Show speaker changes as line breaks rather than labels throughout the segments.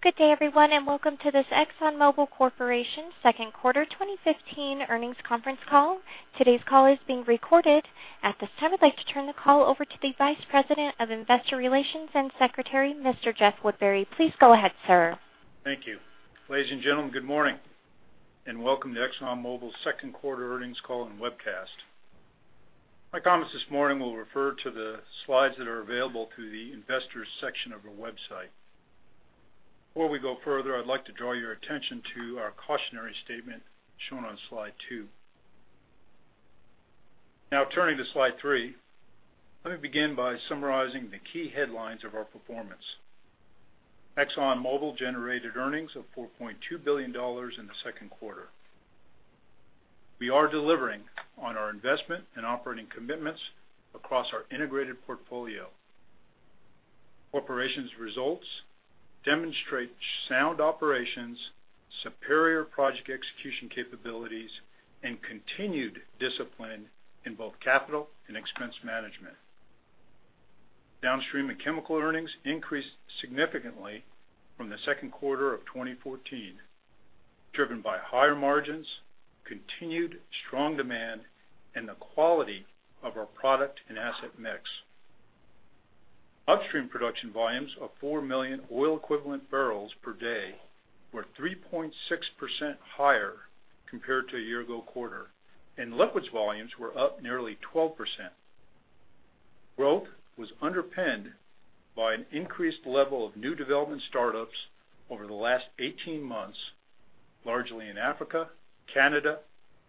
Good day everyone, welcome to this ExxonMobil Corporation second quarter 2015 earnings conference call. Today's call is being recorded. At this time, I'd like to turn the call over to the Vice President of Investor Relations and Secretary, Mr. Jeff Woodbury. Please go ahead, sir.
Thank you. Ladies and gentlemen, good morning, welcome to ExxonMobil's second quarter earnings call and webcast. My comments this morning will refer to the slides that are available through the Investors section of our website. Before we go further, I'd like to draw your attention to our cautionary statement shown on slide two. Turning to slide three. Let me begin by summarizing the key headlines of our performance. ExxonMobil generated earnings of $4.2 billion in the second quarter. We are delivering on our investment and operating commitments across our integrated portfolio. Corporation's results demonstrate sound operations, superior project execution capabilities, and continued discipline in both capital and expense management. Downstream and chemical earnings increased significantly from the second quarter of 2014, driven by higher margins, continued strong demand, and the quality of our product and asset mix. Upstream production volumes of 4 million oil equivalent barrels per day were 3.6% higher compared to a year ago quarter, and liquids volumes were up nearly 12%. Growth was underpinned by an increased level of new development startups over the last 18 months, largely in Africa, Canada,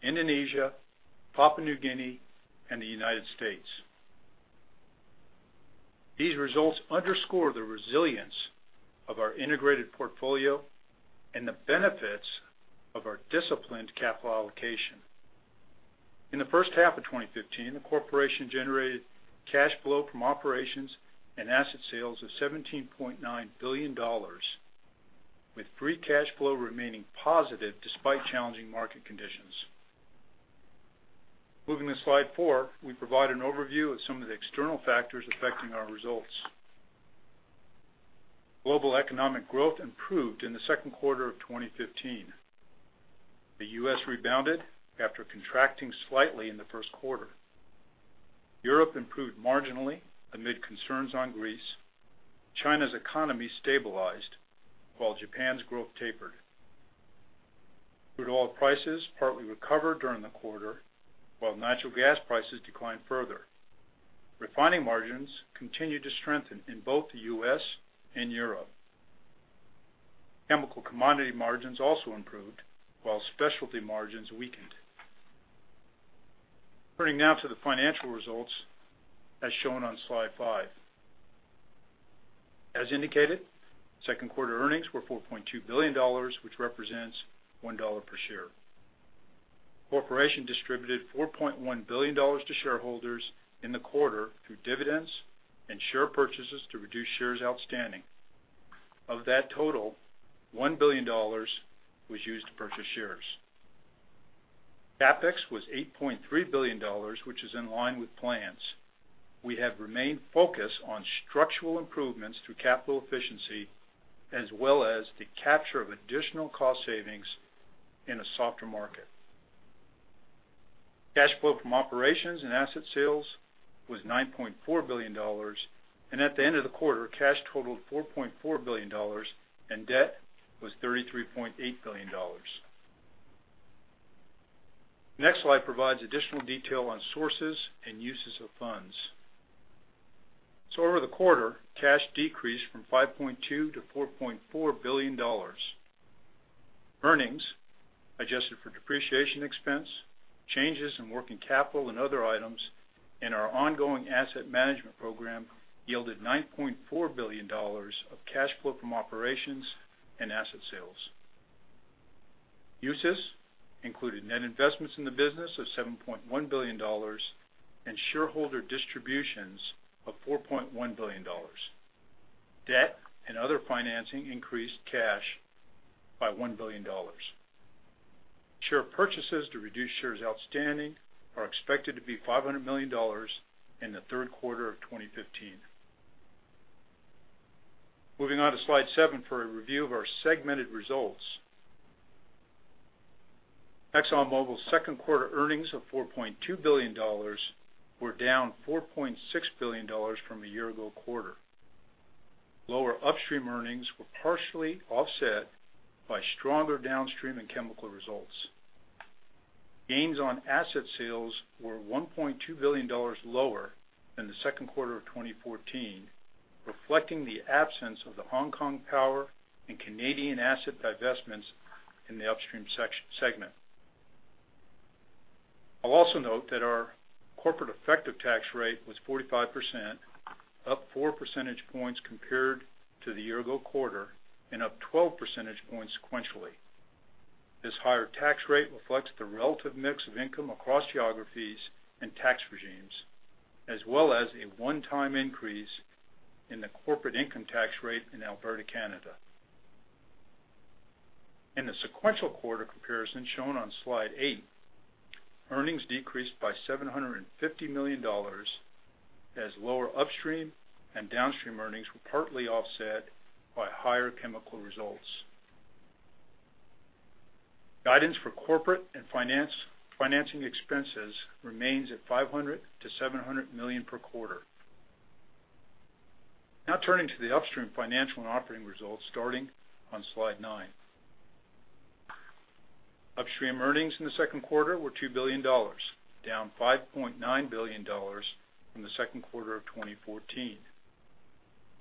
Indonesia, Papua New Guinea, and the U.S. These results underscore the resilience of our integrated portfolio and the benefits of our disciplined capital allocation. In the first half of 2015, the corporation generated cash flow from operations and asset sales of $17.9 billion, with free cash flow remaining positive despite challenging market conditions. Moving to slide four, we provide an overview of some of the external factors affecting our results. Global economic growth improved in the second quarter of 2015. The U.S. rebounded after contracting slightly in the first quarter. Europe improved marginally amid concerns on Greece. China's economy stabilized while Japan's growth tapered. Crude oil prices partly recovered during the quarter, while natural gas prices declined further. Refining margins continued to strengthen in both the U.S. and Europe. Chemical commodity margins also improved, while specialty margins weakened. Turning to the financial results as shown on slide five. As indicated, second quarter earnings were $4.2 billion, which represents $1 per share. Corporation distributed $4.1 billion to shareholders in the quarter through dividends and share purchases to reduce shares outstanding. Of that total, $1 billion was used to purchase shares. CapEx was $8.3 billion, which is in line with plans. We have remained focused on structural improvements through capital efficiency, as well as the capture of additional cost savings in a softer market. Cash flow from operations and asset sales was $9.4 billion, and at the end of the quarter, cash totaled $4.4 billion and debt was $33.8 billion. Next slide provides additional detail on sources and uses of funds. Over the quarter, cash decreased from $5.2 billion to $4.4 billion. Earnings adjusted for depreciation expense, changes in working capital and other items, and our ongoing asset management program yielded $9.4 billion of cash flow from operations and asset sales. Uses included net investments in the business of $7.1 billion and shareholder distributions of $4.1 billion. Debt and other financing increased cash by $1 billion. Share purchases to reduce shares outstanding are expected to be $500 million in the third quarter of 2015. Moving on to slide seven for a review of our segmented results. ExxonMobil's second quarter earnings of $4.2 billion were down $4.6 billion from a year-ago quarter. Lower upstream earnings were partially offset by stronger downstream and chemical results. Gains on asset sales were $1.2 billion lower than the second quarter of 2014, reflecting the absence of the Hong Kong power and Canadian asset divestments in the upstream segment. I'll also note that our corporate effective tax rate was 45%, up four percentage points compared to the year-ago quarter and up 12 percentage points sequentially. This higher tax rate reflects the relative mix of income across geographies and tax regimes, as well as a one-time increase in the corporate income tax rate in Alberta, Canada. In the sequential quarter comparison shown on Slide eight, earnings decreased by $750 million as lower upstream and downstream earnings were partly offset by higher chemical results. Guidance for corporate and financing expenses remains at $500 million-$700 million per quarter. Turning to the upstream Financial and Operating results starting on Slide nine. Upstream earnings in the second quarter were $2 billion, down $5.9 billion from the second quarter of 2014.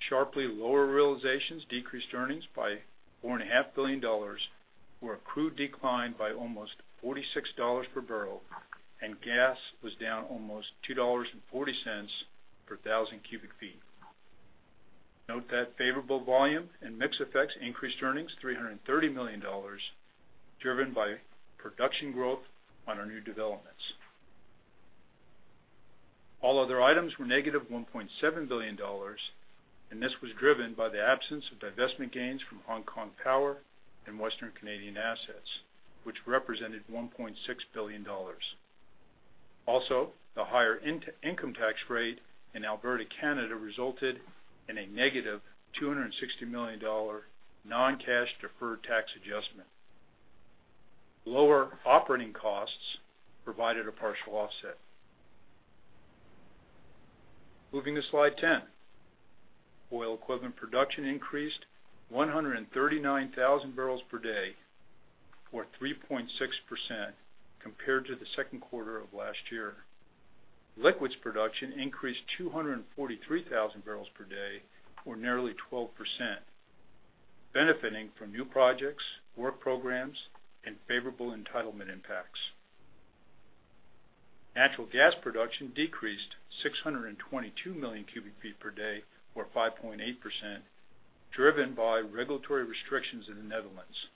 Sharply lower realizations decreased earnings by $4.5 billion, where crude declined by almost $46 per barrel, and gas was down almost $2.40 per thousand cubic feet. Note that favorable volume and mix effects increased earnings $330 million, driven by production growth on our new developments. All other items were negative $1.7 billion, and this was driven by the absence of divestment gains from Hong Kong power and Western Canadian assets, which represented $1.6 billion. The higher income tax rate in Alberta, Canada, resulted in a negative $260 million non-cash deferred tax adjustment. Lower operating costs provided a partial offset. Moving to Slide 10. Oil equivalent production increased 139,000 barrels per day, or 3.6% compared to the second quarter of last year. Liquids production increased 243,000 barrels per day, or nearly 12%, benefiting from new projects, work programs, and favorable entitlement impacts. Natural gas production decreased 622 million cubic feet per day, or 5.8%, driven by regulatory restrictions in the Netherlands.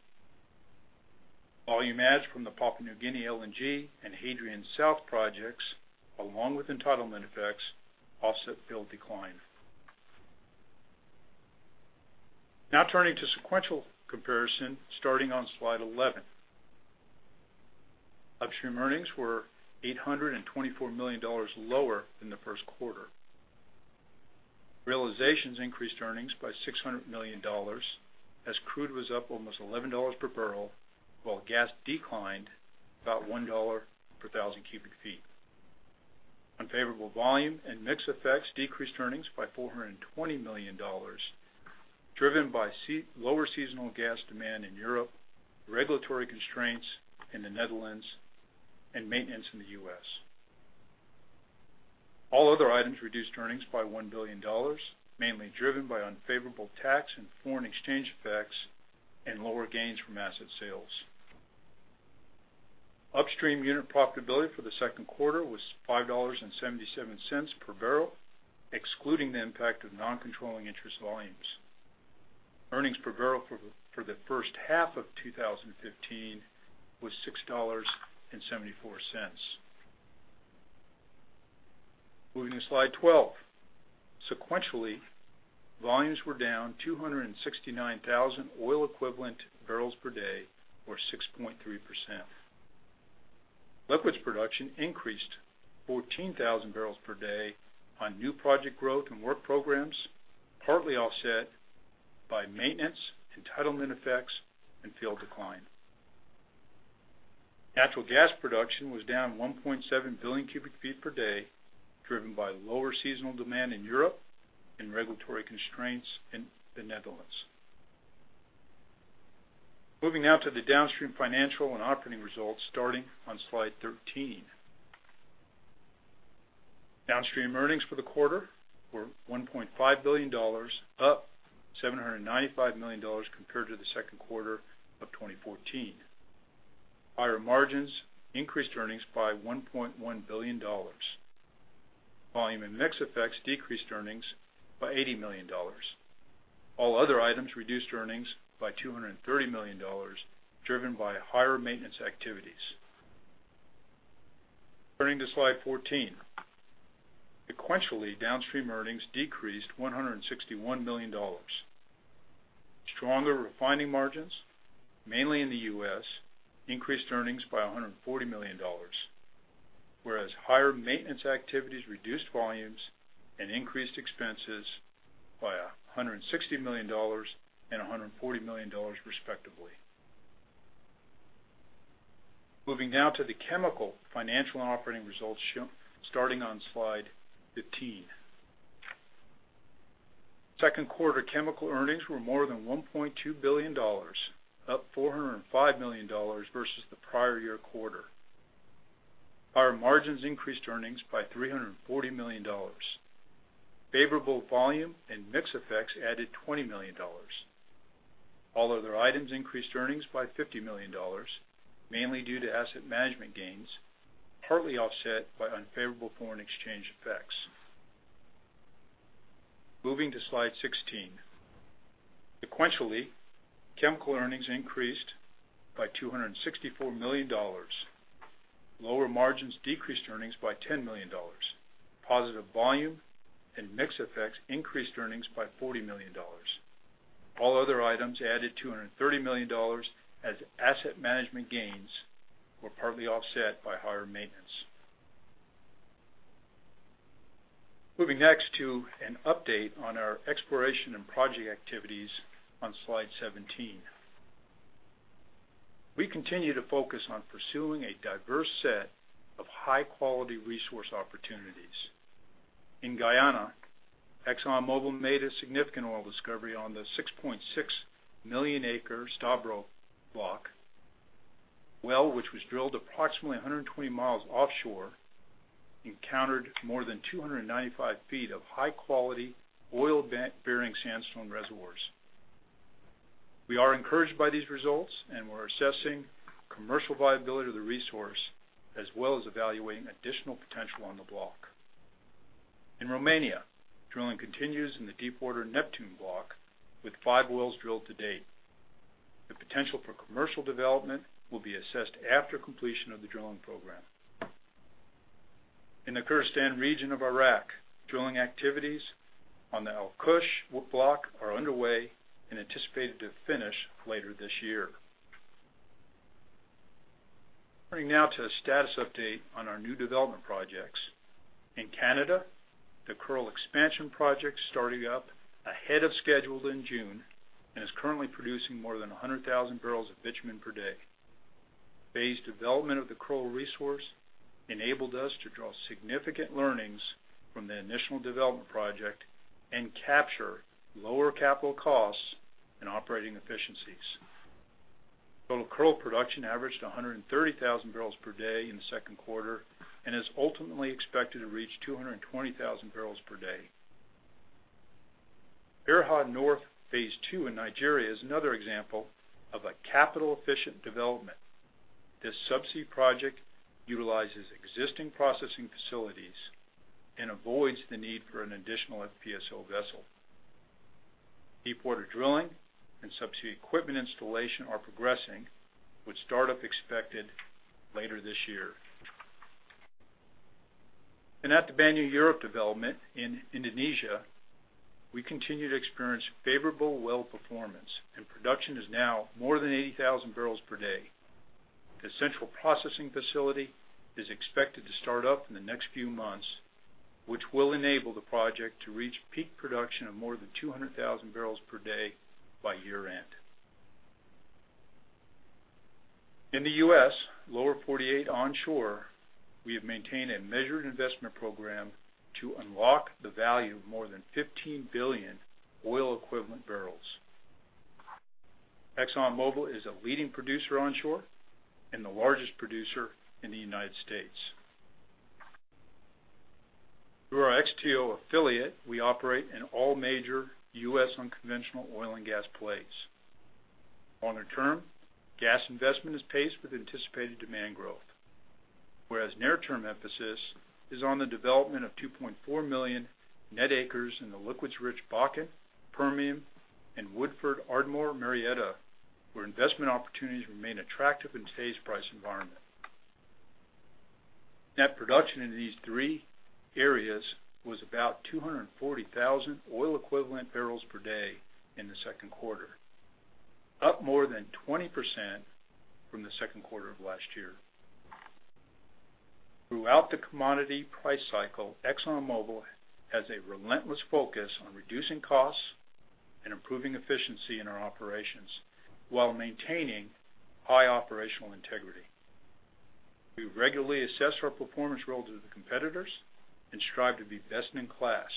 Volume adds from the Papua New Guinea LNG and Hadrian South projects, along with entitlement effects, offset field decline. Turning to sequential comparison starting on Slide 11. Upstream earnings were $824 million lower than the first quarter. Realizations increased earnings by $600 million, crude was up almost $11 per barrel, while gas declined about $1 per thousand cubic feet. Unfavorable volume and mix effects decreased earnings by $420 million, driven by lower seasonal gas demand in Europe, regulatory constraints in the Netherlands, and maintenance in the U.S. All other items reduced earnings by $1 billion, mainly driven by unfavorable tax and foreign exchange effects and lower gains from asset sales. Upstream unit profitability for the second quarter was $5.77 per barrel, excluding the impact of non-controlling interest volumes. Earnings per barrel for the first half of 2015 was $6.74. Moving to Slide 12. Sequentially, volumes were down 269,000 oil equivalent barrels per day, or 6.3%. Liquids production increased 14,000 barrels per day on new project growth and work programs, partly offset by maintenance, entitlement effects, and field decline. Natural gas production was down 1.7 billion cubic feet per day, driven by lower seasonal demand in Europe and regulatory constraints in the Netherlands. Moving now to the Downstream Financial and Operating results starting on Slide 13. Downstream earnings for the quarter were $1.5 billion, up $795 million compared to the second quarter of 2014. Higher margins increased earnings by $1.1 billion. Volume and mix effects decreased earnings by $80 million. All other items reduced earnings by $230 million, driven by higher maintenance activities. Turning to Slide 14. Sequentially, downstream earnings decreased $161 million. Stronger refining margins, mainly in the U.S., increased earnings by $140 million, whereas higher maintenance activities reduced volumes and increased expenses by $160 million and $140 million, respectively. Moving now to the Chemical, Financial, and Operating results starting on Slide 15. Second quarter chemical earnings were more than $1.2 billion, up $405 million versus the prior year quarter. Higher margins increased earnings by $340 million. Favorable volume and mix effects added $20 million. All other items increased earnings by $50 million, mainly due to asset management gains, partly offset by unfavorable foreign exchange effects. Moving to Slide 16. Sequentially, chemical earnings increased by $264 million. Lower margins decreased earnings by $10 million. Positive volume and mix effects increased earnings by $40 million. All other items added $230 million as asset management gains were partly offset by higher maintenance. Moving next to an update on our exploration and project activities on Slide 17. We continue to focus on pursuing a diverse set of high-quality resource opportunities. In Guyana, ExxonMobil made a significant oil discovery on the 6.6-million-acre Stabroek Block well, which was drilled approximately 120 miles offshore, encountered more than 295 feet of high-quality oil-bearing sandstone reservoirs. We are encouraged by these results and we're assessing commercial viability of the resource, as well as evaluating additional potential on the block. In Romania, drilling continues in the deepwater Neptune block with five wells drilled to date. The potential for commercial development will be assessed after completion of the drilling program. In the Kurdistan region of Iraq, drilling activities on the Al-Qush block are underway and anticipated to finish later this year. Turning now to a status update on our new development projects. In Canada, the Kearl expansion project started up ahead of schedule in June and is currently producing more than 100,000 barrels of bitumen per day. Phased development of the Kearl resource enabled us to draw significant learnings from the initial development project and capture lower capital costs and operating efficiencies. Total Kearl production averaged 130,000 barrels per day in the second quarter and is ultimately expected to reach 220,000 barrels per day. Erha North Phase Two in Nigeria is another example of a capital-efficient development. This subsea project utilizes existing processing facilities and avoids the need for an additional FPSO vessel. Deepwater drilling and subsea equipment installation are progressing, with startup expected later this year. At the Banyu Urip development in Indonesia, we continue to experience favorable well performance, and production is now more than 80,000 barrels per day. The central processing facility is expected to start up in the next few months, which will enable the project to reach peak production of more than 200,000 barrels per day by year-end. In the U.S., Lower 48 onshore, we have maintained a measured investment program to unlock the value of more than 15 billion oil equivalent barrels. ExxonMobil is a leading producer onshore and the largest producer in the United States. Through our XTO affiliate, we operate in all major U.S. unconventional oil and gas plays. On the term, gas investment is paced with anticipated demand growth, whereas near-term emphasis is on the development of 2.4 million net acres in the liquids-rich Bakken, Permian, and Woodford, Ardmore, Marietta, where investment opportunities remain attractive in today's price environment. Net production in these three areas was about 240,000 oil equivalent barrels per day in the second quarter, up more than 20% from the second quarter of last year. Throughout the commodity price cycle, ExxonMobil has a relentless focus on reducing costs and improving efficiency in our operations while maintaining high operational integrity. We regularly assess our performance relative to competitors and strive to be best in class.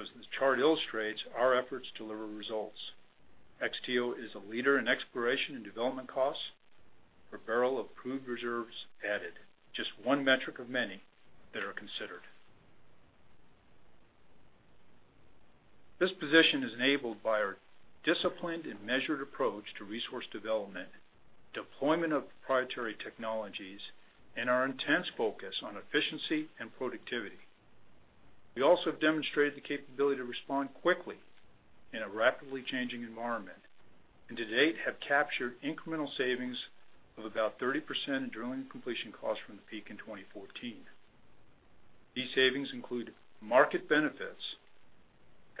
As this chart illustrates, our efforts deliver results. XTO is a leader in exploration and development costs per barrel of proved reserves added, just one metric of many that are considered. This position is enabled by our disciplined and measured approach to resource development, deployment of proprietary technologies, and our intense focus on efficiency and productivity. We also have demonstrated the capability to respond quickly in a rapidly changing environment, and to date have captured incremental savings of about 30% in drilling and completion costs from the peak in 2014. These savings include market benefits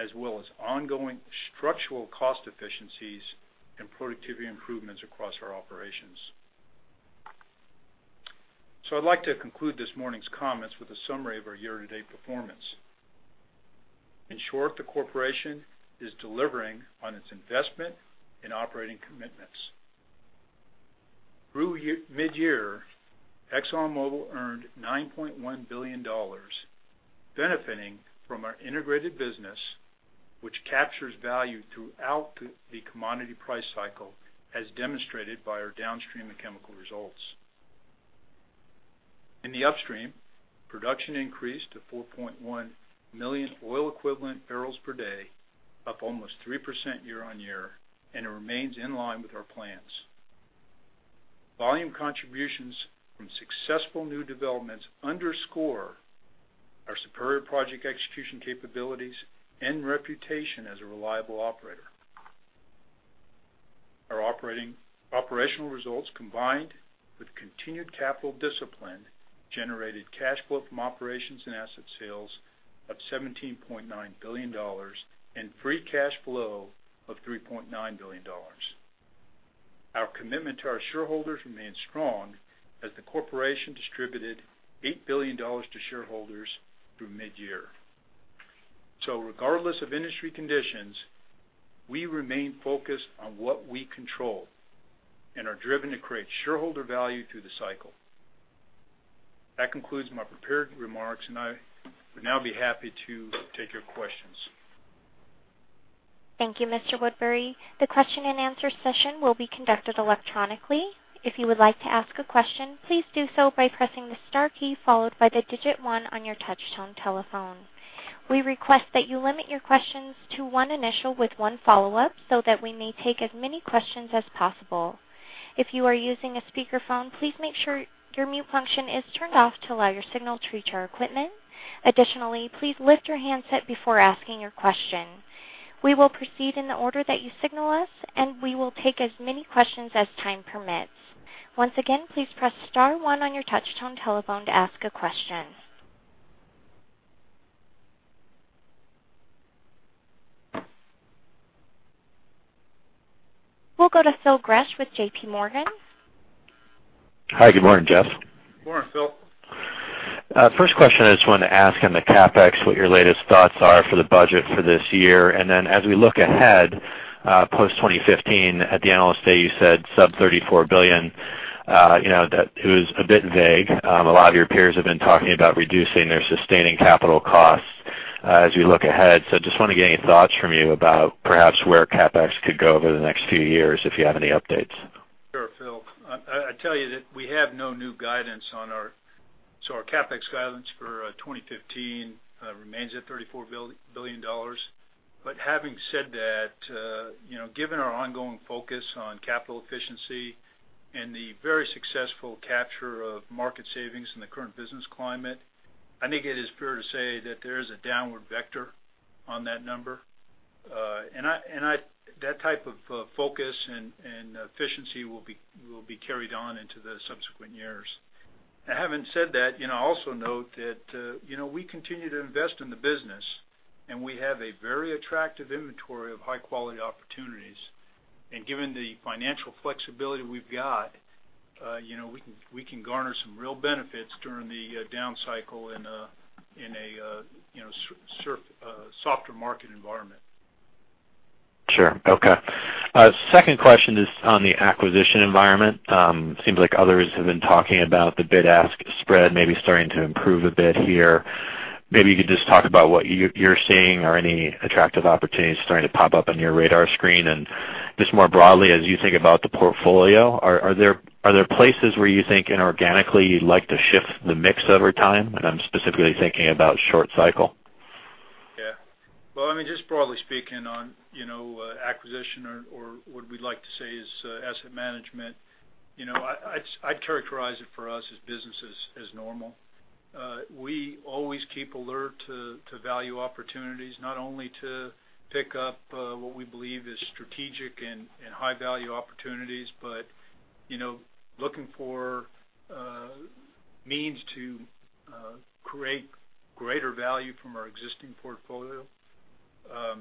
as well as ongoing structural cost efficiencies and productivity improvements across our operations. I'd like to conclude this morning's comments with a summary of our year-to-date performance. In short, the corporation is delivering on its investment and operating commitments. Through mid-year, ExxonMobil earned $9.1 billion, benefiting from our integrated business, which captures value throughout the commodity price cycle, as demonstrated by our downstream and chemical results. In the upstream, production increased to 4.1 million oil equivalent barrels per day, up almost 3% year-on-year, and it remains in line with our plans. Volume contributions from successful new developments underscore our superior project execution capabilities and reputation as a reliable operator. Our operational results, combined with continued capital discipline, generated cash flow from operations and asset sales of $17.9 billion and free cash flow of $3.9 billion. Our commitment to our shareholders remains strong as the corporation distributed $8 billion to shareholders through mid-year. Regardless of industry conditions, we remain focused on what we control and are driven to create shareholder value through the cycle. That concludes my prepared remarks, and I would now be happy to take your questions.
Thank you, Mr. Woodbury. The question and answer session will be conducted electronically. If you would like to ask a question, please do so by pressing the star key followed by the digit one on your touchtone telephone. We request that you limit your questions to one initial with one follow-up so that we may take as many questions as possible. If you are using a speakerphone, please make sure your mute function is turned off to allow your signal to reach our equipment. Additionally, please lift your handset before asking your question. We will proceed in the order that you signal us, and we will take as many questions as time permits. Once again, please press star one on your touchtone telephone to ask a question. We'll go to Phil Gresh with J.P. Morgan.
Hi. Good morning, Jeff.
Good morning, Phil.
First question, I just wanted to ask on the CapEx, what your latest thoughts are for the budget for this year? As we look ahead, post 2015, at the Analyst Day, you said sub $34 billion. It was a bit vague. A lot of your peers have been talking about reducing their sustaining capital costs as we look ahead. Just want to get any thoughts from you about perhaps where CapEx could go over the next few years, if you have any updates.
Sure, Phil. I'd tell you that we have no new guidance. Our CapEx guidance for 2015 remains at $34 billion. Having said that, given our ongoing focus on capital efficiency and the very successful capture of market savings in the current business climate, I think it is fair to say that there is a downward vector on that number. That type of focus and efficiency will be carried on into the subsequent years. Having said that, I also note that we continue to invest in the business, and we have a very attractive inventory of high-quality opportunities. Given the financial flexibility we've got, we can garner some real benefits during the down cycle in a softer market environment.
Sure. Okay. Second question is on the acquisition environment. Seems like others have been talking about the bid-ask spread maybe starting to improve a bit here. Maybe you could just talk about what you're seeing or any attractive opportunities starting to pop up on your radar screen. Just more broadly, as you think about the portfolio, are there places where you think inorganically you'd like to shift the mix over time? I'm specifically thinking about short cycle.
Yeah. Well, just broadly speaking on acquisition or what we'd like to say is asset management, I'd characterize it for us as business as normal. We always keep alert to value opportunities, not only to pick up what we believe is strategic and high-value opportunities, but looking for means to create greater value from our existing portfolio.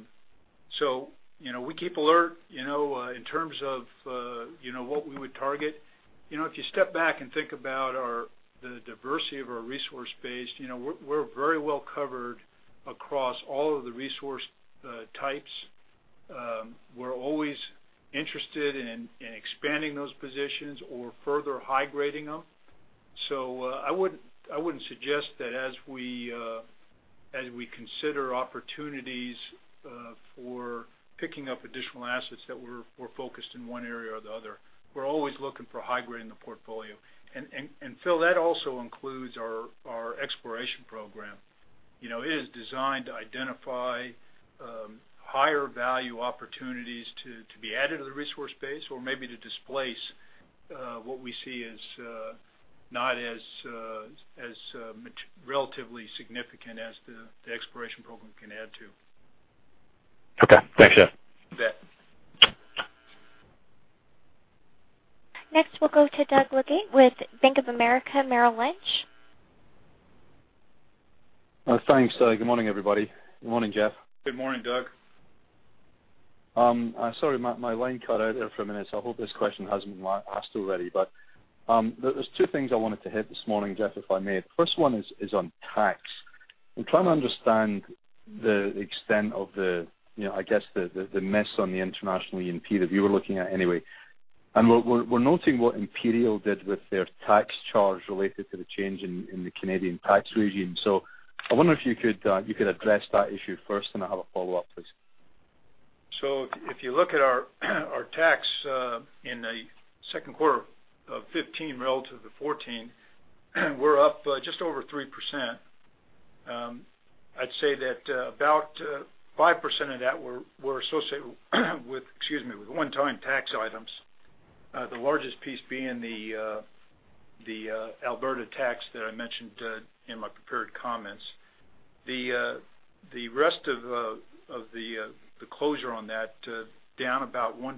We keep alert in terms of what we would target. If you step back and think about the diversity of our resource base, we're very well covered across all of the resource types. We're always interested in expanding those positions or further high-grading them. I wouldn't suggest that as we consider opportunities for picking up additional assets, that we're focused in one area or the other. We're always looking for high grading the portfolio. Phil, that also includes our exploration program. It is designed to identify higher value opportunities to be added to the resource base or maybe to displace what we see as not as relatively significant as the exploration program can add to.
Okay. Thanks, Jeff.
You bet.
Next, we'll go to Doug Leggate with Bank of America Merrill Lynch.
Thanks. Good morning, everybody. Good morning, Jeff.
Good morning, Doug.
Sorry, my line cut out there for a minute, I hope this question hasn't been asked already. There's two things I wanted to hit this morning, Jeff, if I may. The first one is on tax. I'm trying to understand the extent of the mess on the international E&P, that you were looking at anyway. We're noting what Imperial did with their tax charge related to the change in the Canadian tax regime. I wonder if you could address that issue first, and I have a follow-up, please.
If you look at our tax in the second quarter of 2015 relative to 2014, we're up just over 3%. I'd say that about 5% of that were associated with one-time tax items. The largest piece being the Alberta tax that I mentioned in my prepared comments. The rest of the closure on that, down about 1%,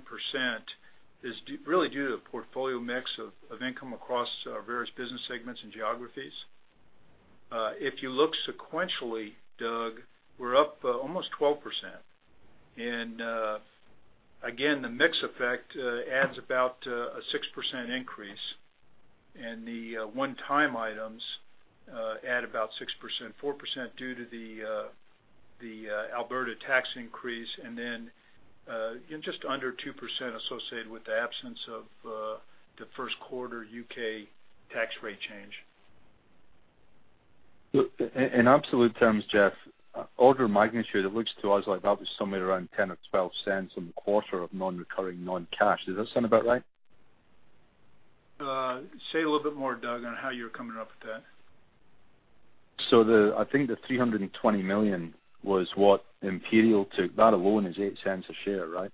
is really due to the portfolio mix of income across our various business segments and geographies. If you look sequentially, Doug, we're up almost 12%. Again, the mix effect adds about a 6% increase, and the one-time items add about 6%. 4% due to the Alberta tax increase, and then just under 2% associated with the absence of the first quarter U.K. tax rate change.
Look, in absolute terms, Jeff, order of magnitude, it looks to us like that was somewhere around $0.10 or $0.12 on the quarter of non-recurring non-cash. Does that sound about right?
Say a little bit more, Doug, on how you're coming up with that.
I think the $320 million was what Imperial took. That alone is $0.08 a share, right?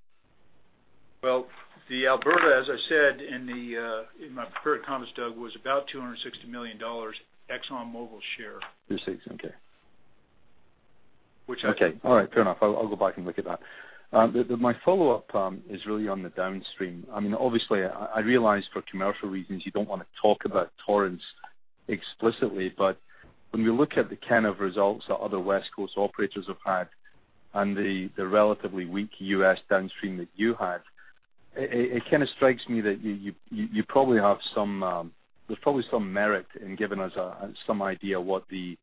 The Alberta, as I said in my prepared comments, Doug, was about $260 million Exxon Mobil share.
Okay.
Which I-
All right, fair enough. I'll go back and look at that. My follow-up is really on the downstream. Obviously, I realize for commercial reasons you don't want to talk about Torrance explicitly, but when we look at the kind of results that other West Coast operators have had and the relatively weak U.S. downstream that you have, it strikes me that there's probably some merit in giving us some idea what the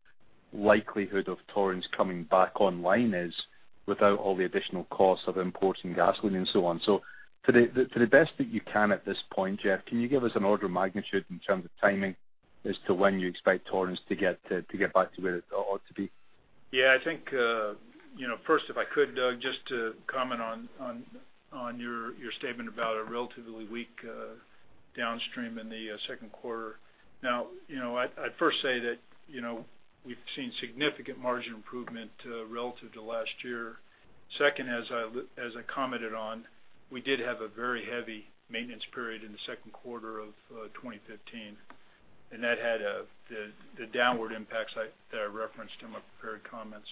likelihood of Torrance coming back online is without all the additional costs of importing gasoline and so on. To the best that you can at this point, Jeff, can you give us an order of magnitude in terms of timing as to when you expect Torrance to get back to where it ought to be?
I think first, if I could, Doug, just to comment on your statement about a relatively weak downstream in the second quarter. I'd first say that we've seen significant margin improvement relative to last year. Second, as I commented on, we did have a very heavy maintenance period in the second quarter of 2015, and that had the downward impacts that I referenced in my prepared comments.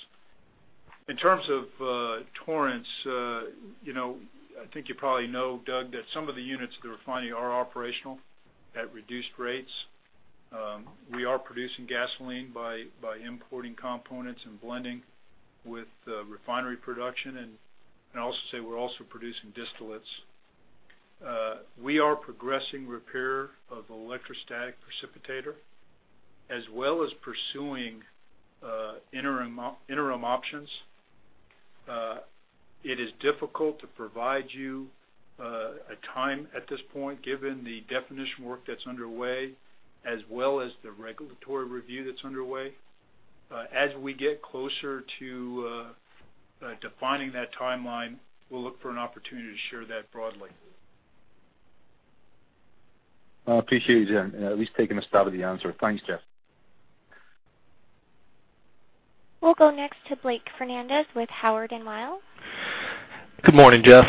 In terms of Torrance, I think you probably know, Doug, that some of the units at the refinery are operational at reduced rates. We are producing gasoline by importing components and blending with refinery production, and I'll also say we're also producing distillates. We are progressing repair of the electrostatic precipitator as well as pursuing interim options. It is difficult to provide you a time at this point given the definition work that's underway as well as the regulatory review that's underway. As we get closer to defining that timeline, we'll look for an opportunity to share that broadly.
I appreciate you at least taking a stab at the answer. Thanks, Jeff.
We'll go next to Blake Fernandez with Howard Weil.
Good morning, Jeff.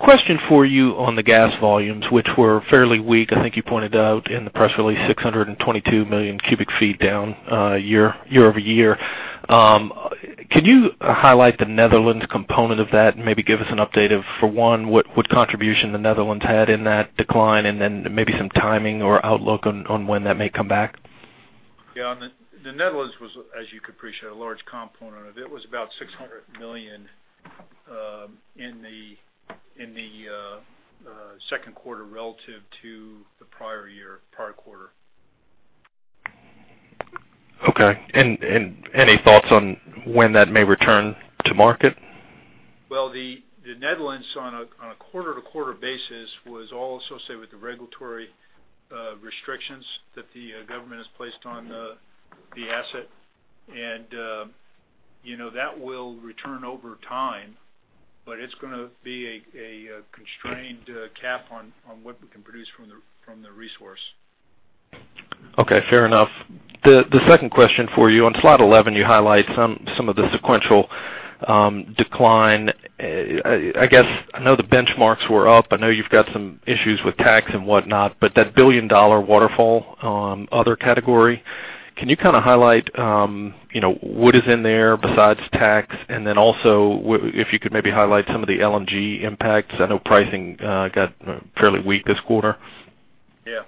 Question for you on the gas volumes, which were fairly weak. I think you pointed out in the press release 622 million cubic feet down year-over-year. Can you highlight the Netherlands component of that and maybe give us an update of, for one, what contribution the Netherlands had in that decline, and then maybe some timing or outlook on when that may come back?
Yeah. The Netherlands was, as you could appreciate, a large component of it. It was about 600 million in the second quarter relative to the prior year, prior quarter.
Okay. Any thoughts on when that may return to market?
Well, the Netherlands on a quarter-to-quarter basis was all associated with the regulatory restrictions that the government has placed on the asset. That will return over time, but it's going to be a constrained cap on what we can produce from the resource.
Okay, fair enough. The second question for you, on slide 11, you highlight some of the sequential decline. I know the benchmarks were up. I know you've got some issues with tax and whatnot, but that billion-dollar waterfall other category, can you highlight what is in there besides tax? Then also, if you could maybe highlight some of the LNG impacts. I know pricing got fairly weak this quarter.
Yeah.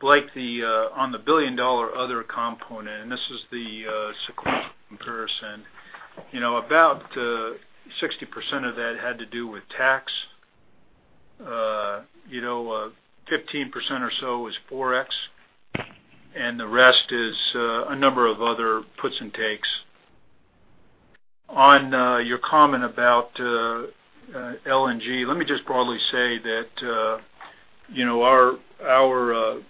Blake, on the billion-dollar other component, this is the sequential comparison. About 60% of that had to do with tax. 15% or so was Forex, the rest is a number of other puts and takes. On your comment about LNG, let me just broadly say that our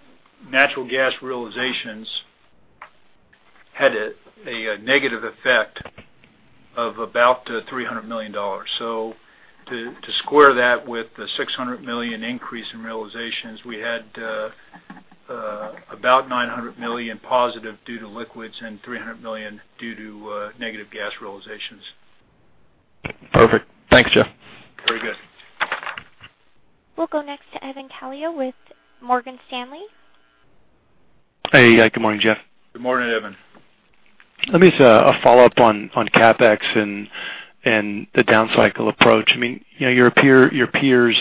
natural gas realizations had a negative effect of about $300 million. To square that with the $600 million increase in realizations, we had About $900 million positive due to liquids and $300 million due to negative gas realizations.
Perfect. Thanks, Jeff.
Very good.
We'll go next to Evan Calio with Morgan Stanley.
Hey. Good morning, Jeff.
Good morning, Evan.
Let me just a follow-up on CapEx and the down cycle approach. Your peers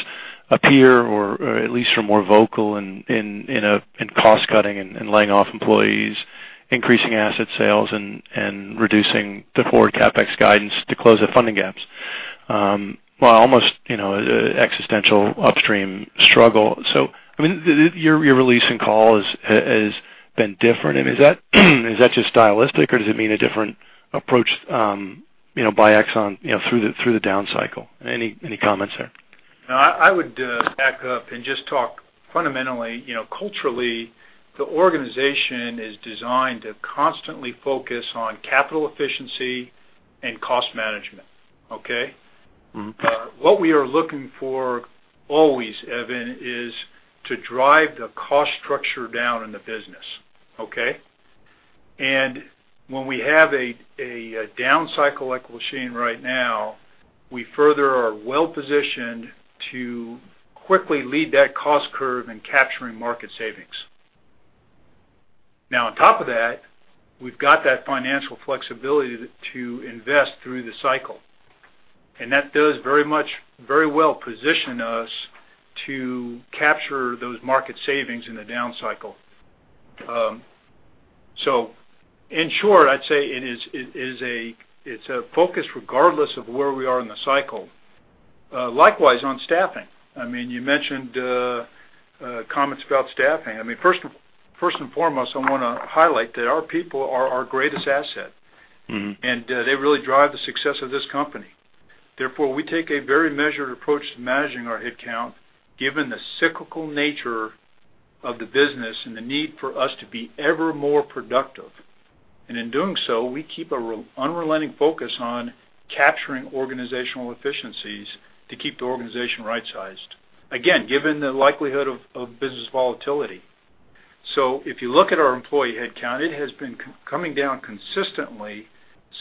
appear or at least are more vocal in cost-cutting and laying off employees, increasing asset sales, and reducing the forward CapEx guidance to close their funding gaps. While almost existential upstream struggle. Your release and call has been different. Is that just stylistic or does it mean a different approach by Exxon through the down cycle? Any comments there?
I would back up and just talk fundamentally culturally, the organization is designed to constantly focus on capital efficiency and cost management. Okay? What we are looking for always, Evan, is to drive the cost structure down in the business. Okay? When we have a down cycle like we're seeing right now, we further are well-positioned to quickly lead that cost curve in capturing market savings. On top of that, we've got that financial flexibility to invest through the cycle, and that does very well position us to capture those market savings in the down cycle. In short, I'd say it's a focus regardless of where we are in the cycle. Likewise, on staffing. You mentioned comments about staffing. First and foremost, I want to highlight that our people are our greatest asset. They really drive the success of this company. Therefore, we take a very measured approach to managing our headcount, given the cyclical nature of the business and the need for us to be ever more productive. In doing so, we keep an unrelenting focus on capturing organizational efficiencies to keep the organization right-sized, again, given the likelihood of business volatility. If you look at our employee headcount, it has been coming down consistently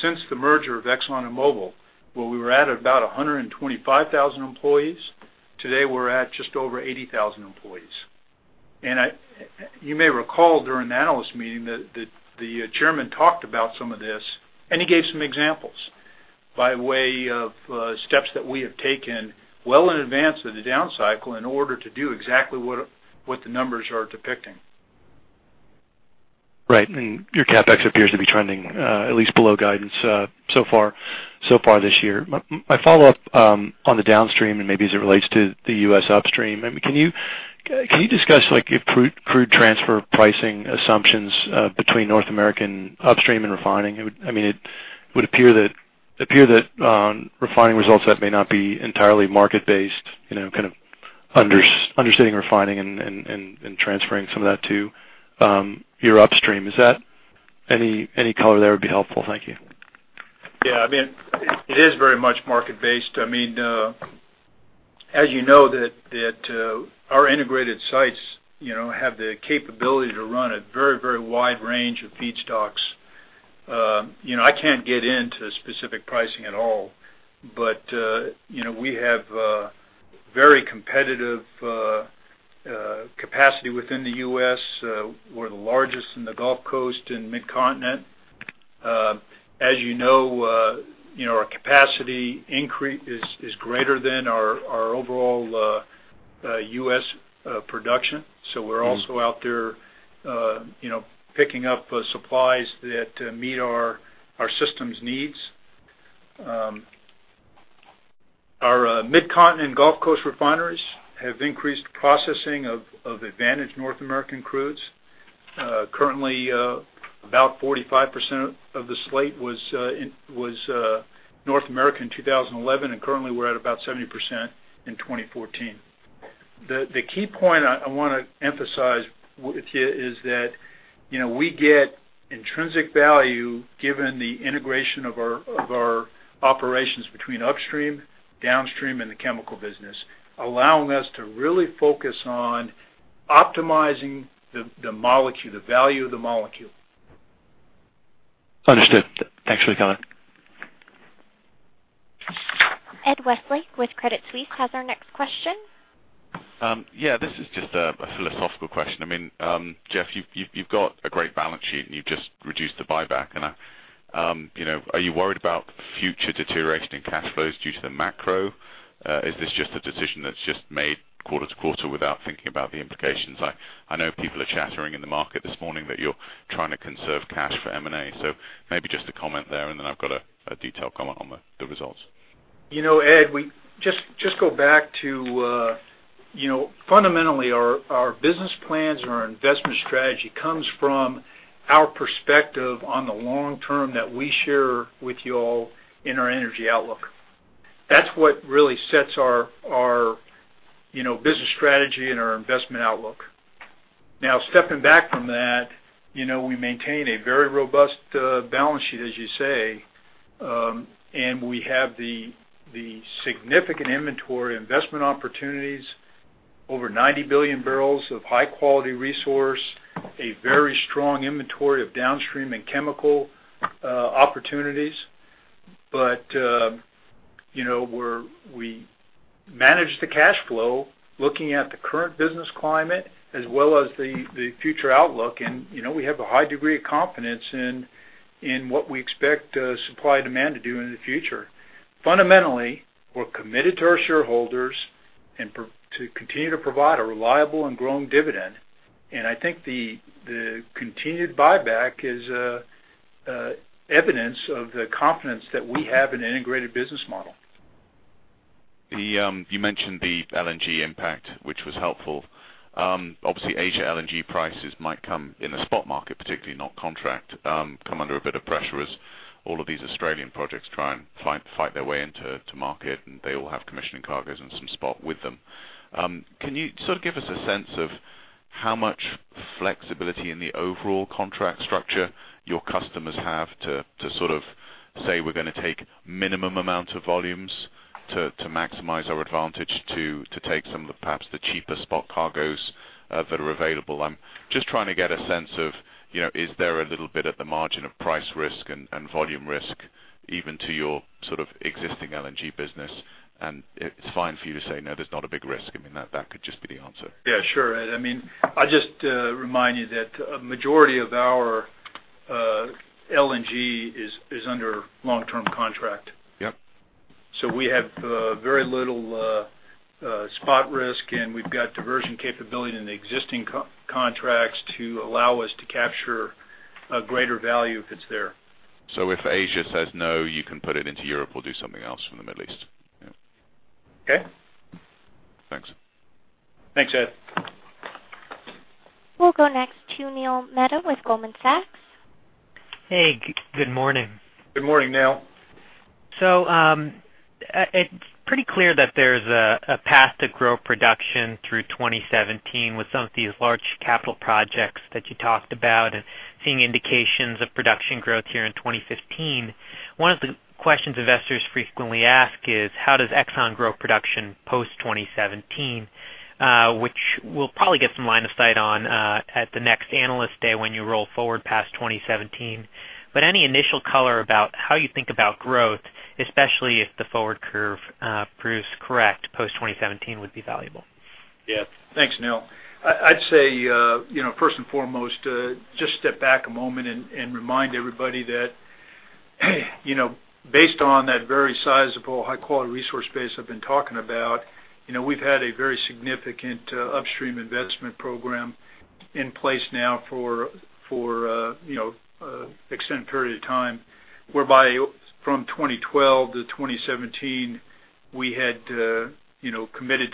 since the merger of Exxon and Mobil, where we were at about 125,000 employees. Today, we're at just over 80,000 employees. You may recall during the analyst meeting that the chairman talked about some of this, and he gave some examples by way of steps that we have taken well in advance of the down cycle in order to do exactly what the numbers are depicting.
Right. Your CapEx appears to be trending at least below guidance so far this year. My follow-up on the downstream and maybe as it relates to the U.S. upstream, can you discuss like crude transfer pricing assumptions between North American upstream and refining? It would appear that refining results that may not be entirely market-based, kind of understanding refining and transferring some of that to your upstream. Any color there would be helpful. Thank you.
Yeah. It is very much market-based. As you know that our integrated sites have the capability to run a very wide range of feedstocks. I can't get into specific pricing at all, but we have a very competitive capacity within the U.S. We're the largest in the Gulf Coast and Midcontinent. As you know our capacity is greater than our overall U.S. production. We're also out there picking up supplies that meet our system's needs. Our Midcontinent Gulf Coast refineries have increased processing of advantage North American crudes. Currently about 45% of the slate was North American in 2011, and currently we're at about 70% in 2014. The key point I want to emphasize with you is that we get intrinsic value given the integration of our operations between upstream, downstream, and the chemical business, allowing us to really focus on optimizing the molecule, the value of the molecule.
Understood. Thanks for your comment.
Ed Westlake with Credit Suisse has our next question.
Yeah, this is just a philosophical question. Jeff, you've got a great balance sheet, and you've just reduced the buyback. Are you worried about future deterioration in cash flows due to the macro? Is this just a decision that's just made quarter to quarter without thinking about the implications? I know people are chattering in the market this morning that you're trying to conserve cash for M&A. Maybe just a comment there, and then I've got a detailed comment on the results.
Ed, just go back to fundamentally our business plans and our investment strategy comes from our perspective on the long term that we share with you all in our energy outlook. That's what really sets our business strategy and our investment outlook. Stepping back from that, we maintain a very robust balance sheet, as you say. We have the significant inventory investment opportunities, over 90 billion barrels of high-quality resource, a very strong inventory of downstream and chemical opportunities. We manage the cash flow looking at the current business climate as well as the future outlook. We have a high degree of confidence in what we expect supply and demand to do in the future. Fundamentally, we're committed to our shareholders and to continue to provide a reliable and growing dividend. I think the continued buyback is evidence of the confidence that we have in an integrated business model.
You mentioned the LNG impact, which was helpful. Obviously, Asia LNG prices might come in the spot market, particularly not contract, come under a bit of pressure as all of these Australian projects try and fight their way into market, and they all have commissioning cargoes and some spot with them. Can you give us a sense of how much flexibility in the overall contract structure your customers have to say, "We're going to take minimum amount of volumes to maximize our advantage to take some of the perhaps the cheaper spot cargoes that are available"? I'm just trying to get a sense of, is there a little bit at the margin of price risk and volume risk even to your existing LNG business? It's fine for you to say, "No, there's not a big risk." I mean, that could just be the answer.
Yeah, sure. I'll just remind you that a majority of our LNG is under long-term contract.
Yep.
We have very little spot risk, and we've got diversion capability in the existing contracts to allow us to capture a greater value if it's there.
If Asia says no, you can put it into Europe or do something else from the Middle East. Yeah.
Okay.
Thanks.
Thanks, Ed.
We'll go next to Neil Mehta with Goldman Sachs.
Hey, good morning.
Good morning, Neil.
It's pretty clear that there's a path to grow production through 2017 with some of these large capital projects that you talked about and seeing indications of production growth here in 2015. One of the questions investors frequently ask is how does Exxon grow production post-2017, which we'll probably get some line of sight on at the next Analyst Day when you roll forward past 2017. Any initial color about how you think about growth, especially if the forward curve proves correct post-2017 would be valuable.
Thanks, Neil. I'd say first and foremost just step back a moment and remind everybody that based on that very sizable high-quality resource base I've been talking about, we've had a very significant upstream investment program in place now for extended period of time, whereby from 2012 to 2017, we had committed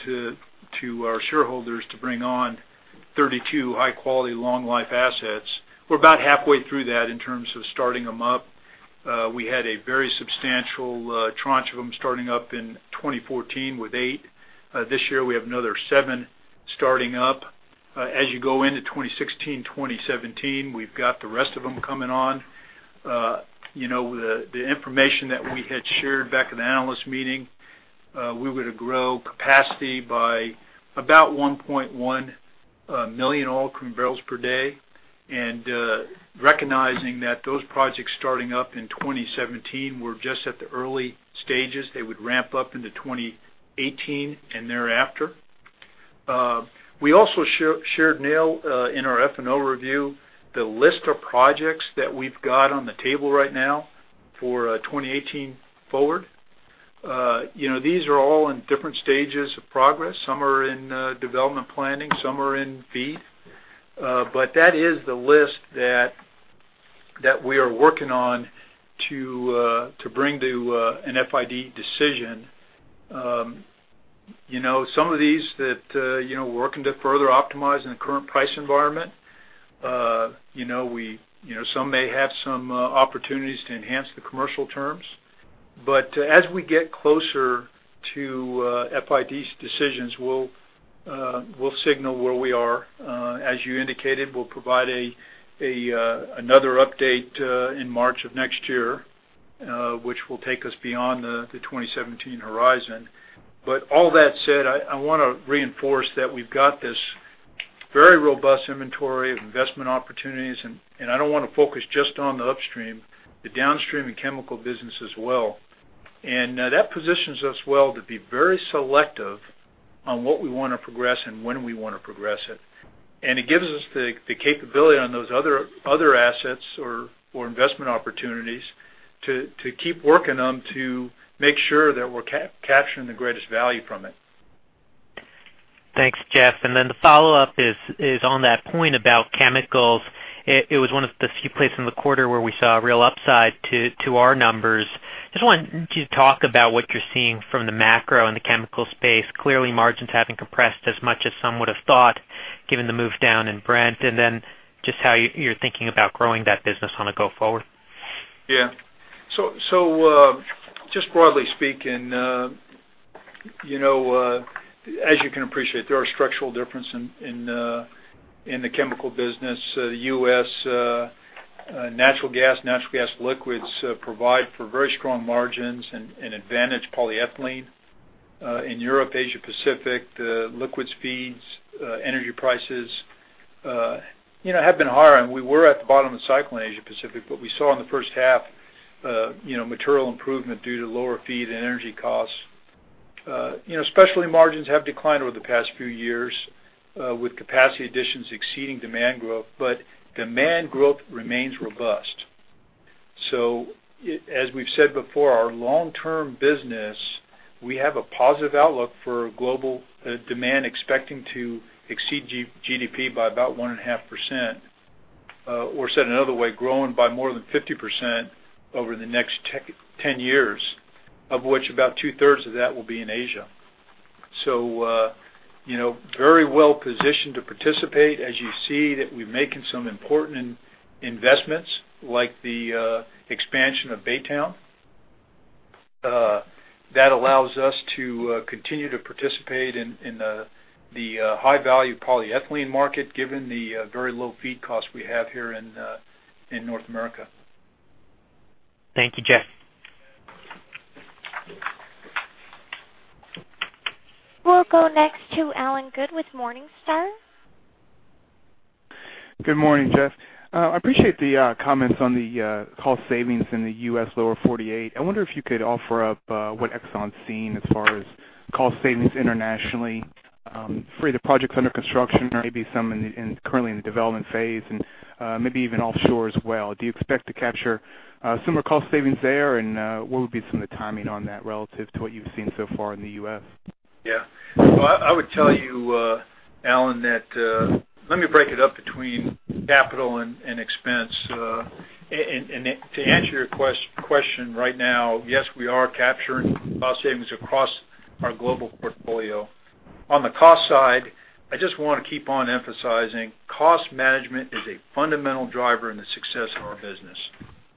to our shareholders to bring on 32 high-quality, long-life assets. We're about halfway through that in terms of starting them up. We had a very substantial tranche of them starting up in 2014 with 8. This year we have another 7 starting up. You go into 2016, 2017, we've got the rest of them coming on. The information that we had shared back in the analyst meeting, we were to grow capacity by about 1.1 million oil equivalent barrels per day, recognizing that those projects starting up in 2017 were just at the early stages. They would ramp up into 2018 and thereafter. We also shared, Neil, in our F&O review the list of projects that we've got on the table right now for 2018 forward. These are all in different stages of progress. Some are in development planning, some are in feed. That is the list that we are working on to bring to an FID decision. Some of these that we're working to further optimize in the current price environment. Some may have some opportunities to enhance the commercial terms. As we get closer to FID decisions, we'll signal where we are. As you indicated, we'll provide another update in March of next year which will take us beyond the 2017 horizon. All that said, I want to reinforce that we've got this very robust inventory of investment opportunities. I don't want to focus just on the upstream, the downstream and chemical business as well. That positions us well to be very selective on what we want to progress and when we want to progress it. It gives us the capability on those other assets or investment opportunities to keep working on to make sure that we're capturing the greatest value from it.
Thanks, Jeff. The follow-up is on that point about chemicals. It was one of the few places in the quarter where we saw a real upside to our numbers. Just wanted you to talk about what you're seeing from the macro in the chemical space. Clearly, margins haven't compressed as much as some would've thought given the move down in Brent, just how you're thinking about growing that business on a go forward.
Just broadly speaking. As you can appreciate, there are structural differences in the chemical business. The U.S. natural gas, natural gas liquids provide for very strong margins and advantage polyethylene. In Europe, Asia Pacific, the liquids feeds, energy prices have been higher, and we were at the bottom of the cycle in Asia Pacific. We saw in the first half material improvement due to lower feed and energy costs. Specialty margins have declined over the past few years with capacity additions exceeding demand growth, but demand growth remains robust. As we've said before, our long-term business, we have a positive outlook for global demand expecting to exceed GDP by about 1.5%, or said another way, growing by more than 50% over the next 10 years, of which about two-thirds of that will be in Asia. Very well positioned to participate. As you see that we're making some important investments like the expansion of Baytown. That allows us to continue to participate in the high-value polyethylene market given the very low feed cost we have here in North America.
Thank you, Jeff.
We'll go next to Allen Good with Morningstar.
Good morning, Jeff. I appreciate the comments on the cost savings in the U.S. Lower 48. I wonder if you could offer up what Exxon's seen as far as cost savings internationally for the projects under construction or maybe some currently in the development phase and maybe even offshore as well. Do you expect to capture similar cost savings there? What would be some of the timing on that relative to what you've seen so far in the U.S.?
Yeah. I would tell you, Allen, let me break it up between capital and expense. To answer your question right now, yes, we are capturing cost savings across our global portfolio. On the cost side, I just want to keep on emphasizing cost management is a fundamental driver in the success of our business.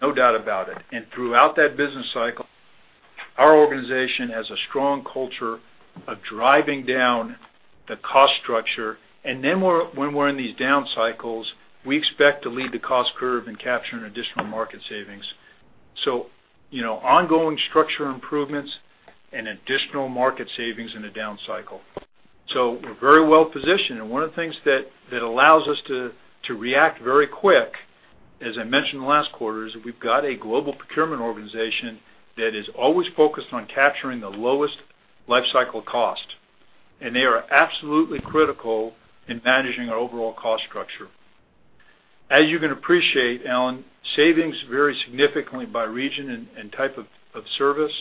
No doubt about it. Throughout that business cycle, our organization has a strong culture of driving down the cost structure. When we're in these down cycles, we expect to lead the cost curve in capturing additional market savings. Ongoing structure improvements and additional market savings in a down cycle. We're very well positioned. One of the things that allows us to react very quick, as I mentioned last quarter, is we've got a global procurement organization that is always focused on capturing the lowest life cycle cost, and they are absolutely critical in managing our overall cost structure. As you can appreciate, Allen, savings vary significantly by region and type of service.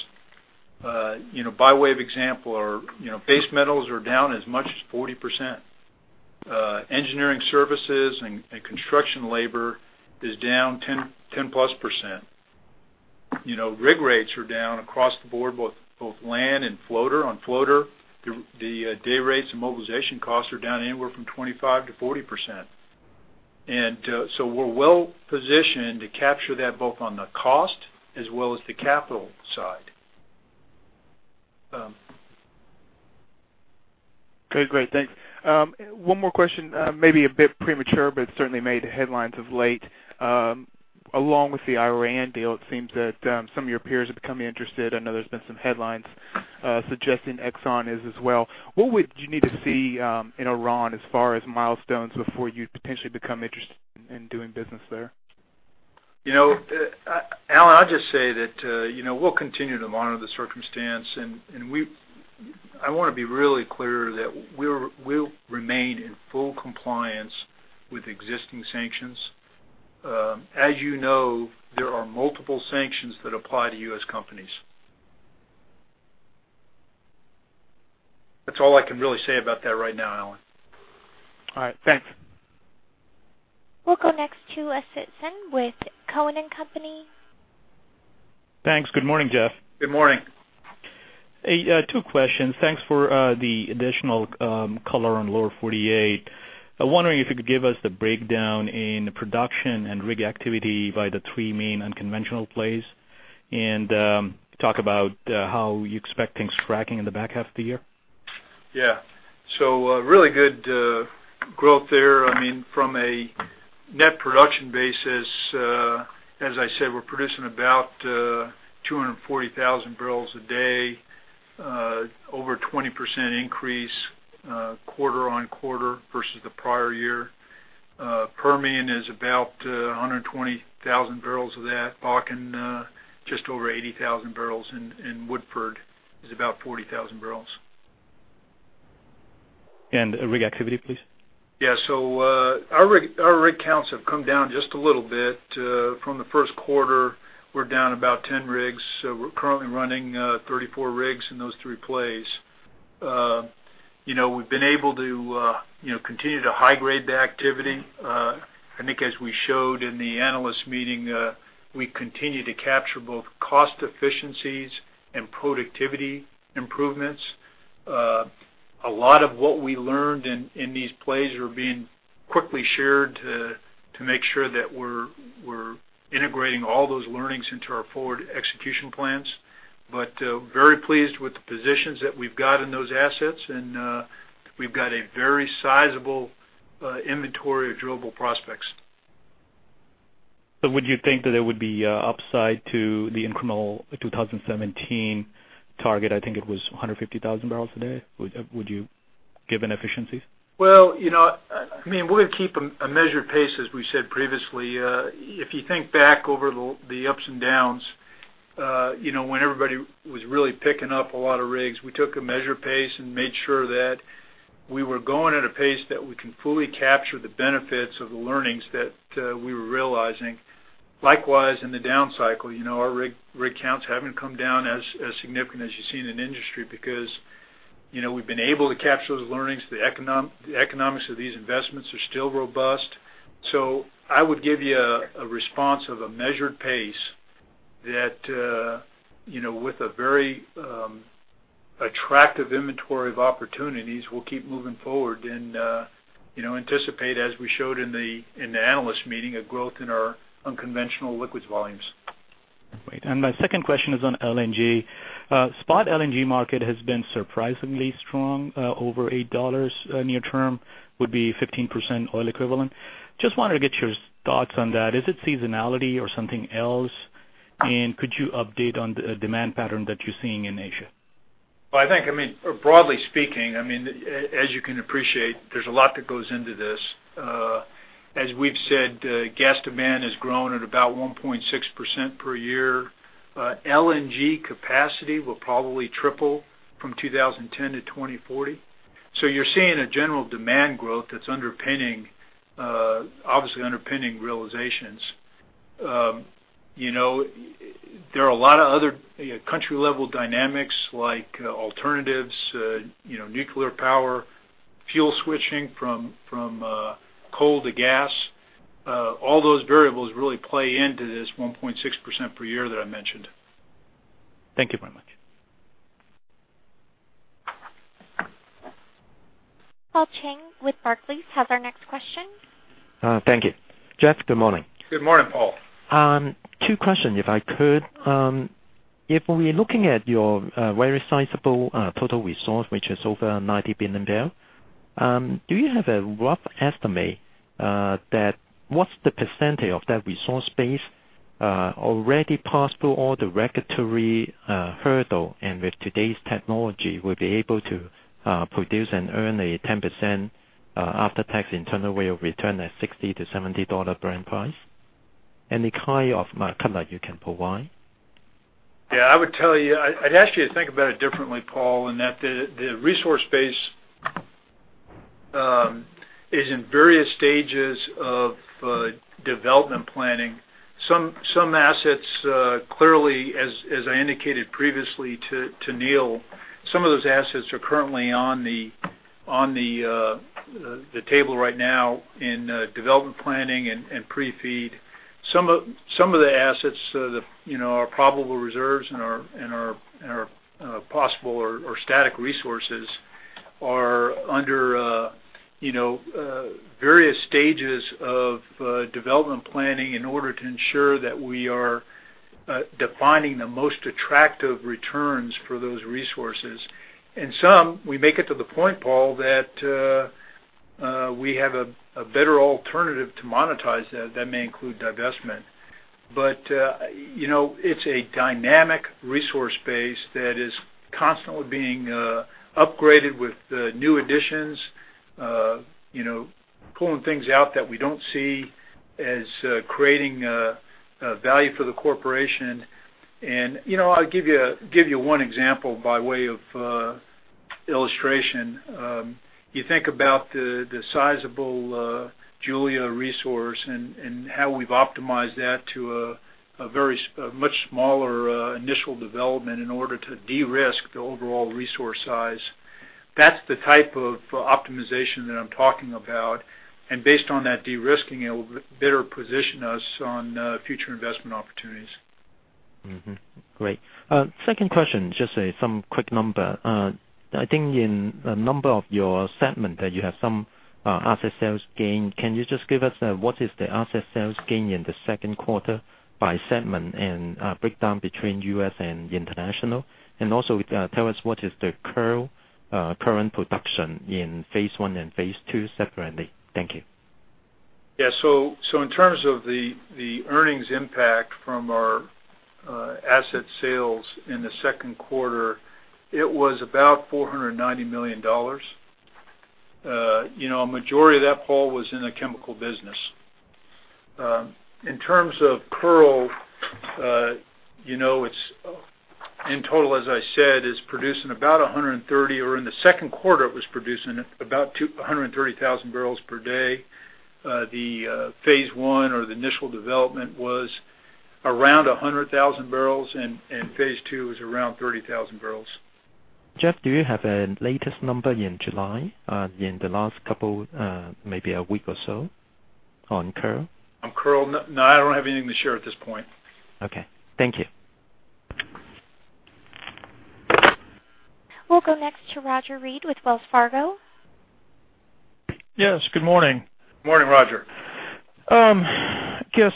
By way of example, base metals are down as much as 40%. Engineering services and construction labor is down 10+%. Rig rates are down across the board both land and floater. On floater, the day rates and mobilization costs are down anywhere from 25%-40%. We're well positioned to capture that both on the cost as well as the capital side.
Okay, great. Thanks. One more question. Maybe a bit premature, but it certainly made headlines of late. Along with the Iran deal, it seems that some of your peers are becoming interested. I know there's been some headlines suggesting Exxon is as well. What would you need to see in Iran as far as milestones before you'd potentially become interested in doing business there?
Allen, I'll just say that we'll continue to monitor the circumstance, and I want to be really clear that we'll remain in full compliance with existing sanctions. As you know, there are multiple sanctions that apply to U.S. companies. That's all I can really say about that right now, Allen.
All right. Thanks.
We'll go next to Asit Sen with Cowen and Company.
Thanks. Good morning, Jeff.
Good morning.
Two questions. Thanks for the additional color on Lower 48. I wonder if you could give us the breakdown in production and rig activity by the three main unconventional plays, and talk about how you expect things tracking in the back half of the year.
Yeah. Really good growth there. From a net production basis, as I said, we're producing about 240,000 barrels a day over 20% increase quarter-on-quarter versus the prior year. Permian is about 120,000 barrels of that, Bakken just over 80,000 barrels, and Woodford is about 40,000 barrels.
Rig activity, please.
Our rig counts have come down just a little bit. From the first quarter, we're down about 10 rigs. We're currently running 34 rigs in those three plays. We've been able to continue to high-grade the activity. I think as we showed in the analyst meeting, we continue to capture both cost efficiencies and productivity improvements. A lot of what we learned in these plays are being quickly shared to make sure that we're integrating all those learnings into our forward execution plans. Very pleased with the positions that we've got in those assets, and we've got a very sizable inventory of drillable prospects.
Would you think that there would be upside to the incremental 2017 target? I think it was 150,000 barrels a day. Would you give an efficiency?
Well, we're going to keep a measured pace, as we said previously. If you think back over the ups and downs, when everybody was really picking up a lot of rigs, we took a measured pace and made sure that we were going at a pace that we can fully capture the benefits of the learnings that we were realizing. Likewise, in the down cycle, our rig counts haven't come down as significant as you've seen in the industry because we've been able to capture those learnings. The economics of these investments are still robust. I would give you a response of a measured pace that with a very attractive inventory of opportunities, we'll keep moving forward and anticipate, as we showed in the analyst meeting, a growth in our unconventional liquids volumes.
Great. My second question is on LNG. Spot LNG market has been surprisingly strong, over $8 near term, would be 15% oil equivalent. Just wanted to get your thoughts on that. Is it seasonality or something else? Could you update on the demand pattern that you're seeing in Asia?
I think, broadly speaking, as you can appreciate, there's a lot that goes into this. As we've said, gas demand has grown at about 1.6% per year. LNG capacity will probably triple from 2010 to 2040. You're seeing a general demand growth that's obviously underpinning realizations. There are a lot of other country-level dynamics like alternatives, nuclear power, fuel switching from coal to gas. All those variables really play into this 1.6% per year that I mentioned.
Thank you very much.
Paul Cheng with Barclays has our next question.
Thank you. Jeff, good morning.
Good morning, Paul.
Two questions, if I could. If we're looking at your very sizable total resource, which is over 90 billion barrel, do you have a rough estimate that what's the percentage of that resource base already passed through all the regulatory hurdle and with today's technology, will be able to produce and earn a 10% after-tax internal rate of return at $60-$70 Brent price? Any kind of color you can provide?
Yeah, I would tell you, I'd ask you to think about it differently, Paul, in that the resource base is in various stages of development planning. Some assets clearly, as I indicated previously to Neil, some of those assets are currently on the table right now in development planning and pre-feed. Some of the assets, our probable reserves and our possible or static resources are under various stages of development planning in order to ensure that we are defining the most attractive returns for those resources. Some, we make it to the point, Paul, that we have a better alternative to monetize that. That may include divestment. It's a dynamic resource base that is constantly being upgraded with new additions, pulling things out that we don't see as creating value for the corporation. I'll give you one example by way of illustration. You think about the sizable Julia resource and how we've optimized that to a much smaller initial development in order to de-risk the overall resource size. That's the type of optimization that I'm talking about. Based on that de-risking, it will better position us on future investment opportunities.
Great. Second question, just some quick number. I think in a number of your segment that you have some asset sales gain. Can you just give us what is the asset sales gain in the second quarter by segment and breakdown between U.S. and international? Also tell us what is the current production in phase 1 and phase 2 separately. Thank you.
Yeah. In terms of the earnings impact from our asset sales in the second quarter, it was about $490 million. A majority of that, Paul, was in the chemical business. In terms of Kearl, in total, as I said, in the second quarter, it was producing about 130,000 barrels per day. The phase 1 or the initial development was around 100,000 barrels, and phase 2 is around 30,000 barrels.
Jeff, do you have a latest number in July, in the last couple, maybe a week or so on Kearl?
On Kearl? No, I don't have anything to share at this point.
Okay. Thank you.
We'll go next to Roger Read with Wells Fargo.
Yes, good morning.
Morning, Roger.
I guess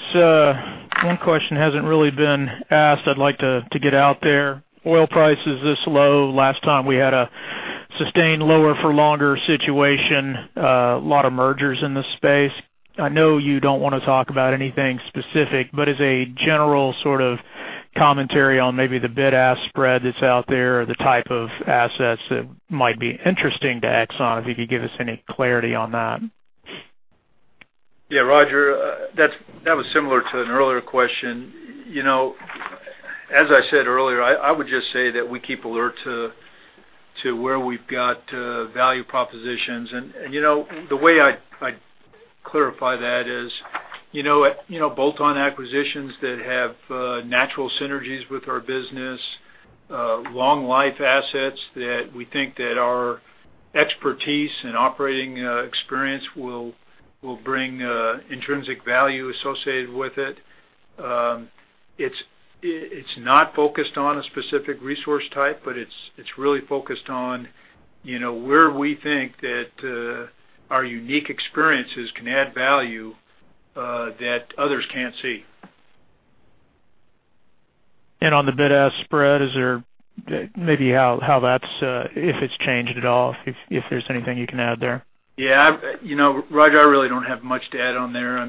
one question hasn't really been asked, I'd like to get out there. Oil prices this low, last time we had a sustained lower for longer situation, a lot of mergers in this space. I know you don't want to talk about anything specific, but as a general sort of commentary on maybe the bid-ask spread that's out there, or the type of assets that might be interesting to Exxon, if you could give us any clarity on that.
Yeah, Roger, that was similar to an earlier question. As I said earlier, I would just say that we keep alert to where we've got value propositions. The way I'd clarify that is, bolt-on acquisitions that have natural synergies with our business, long life assets that we think that our expertise and operating experience will bring intrinsic value associated with it. It's not focused on a specific resource type, but it's really focused on where we think that our unique experiences can add value that others can't see.
On the bid-ask spread, maybe how that's, if it's changed at all, if there's anything you can add there?
Yeah. Roger, I really don't have much to add on there.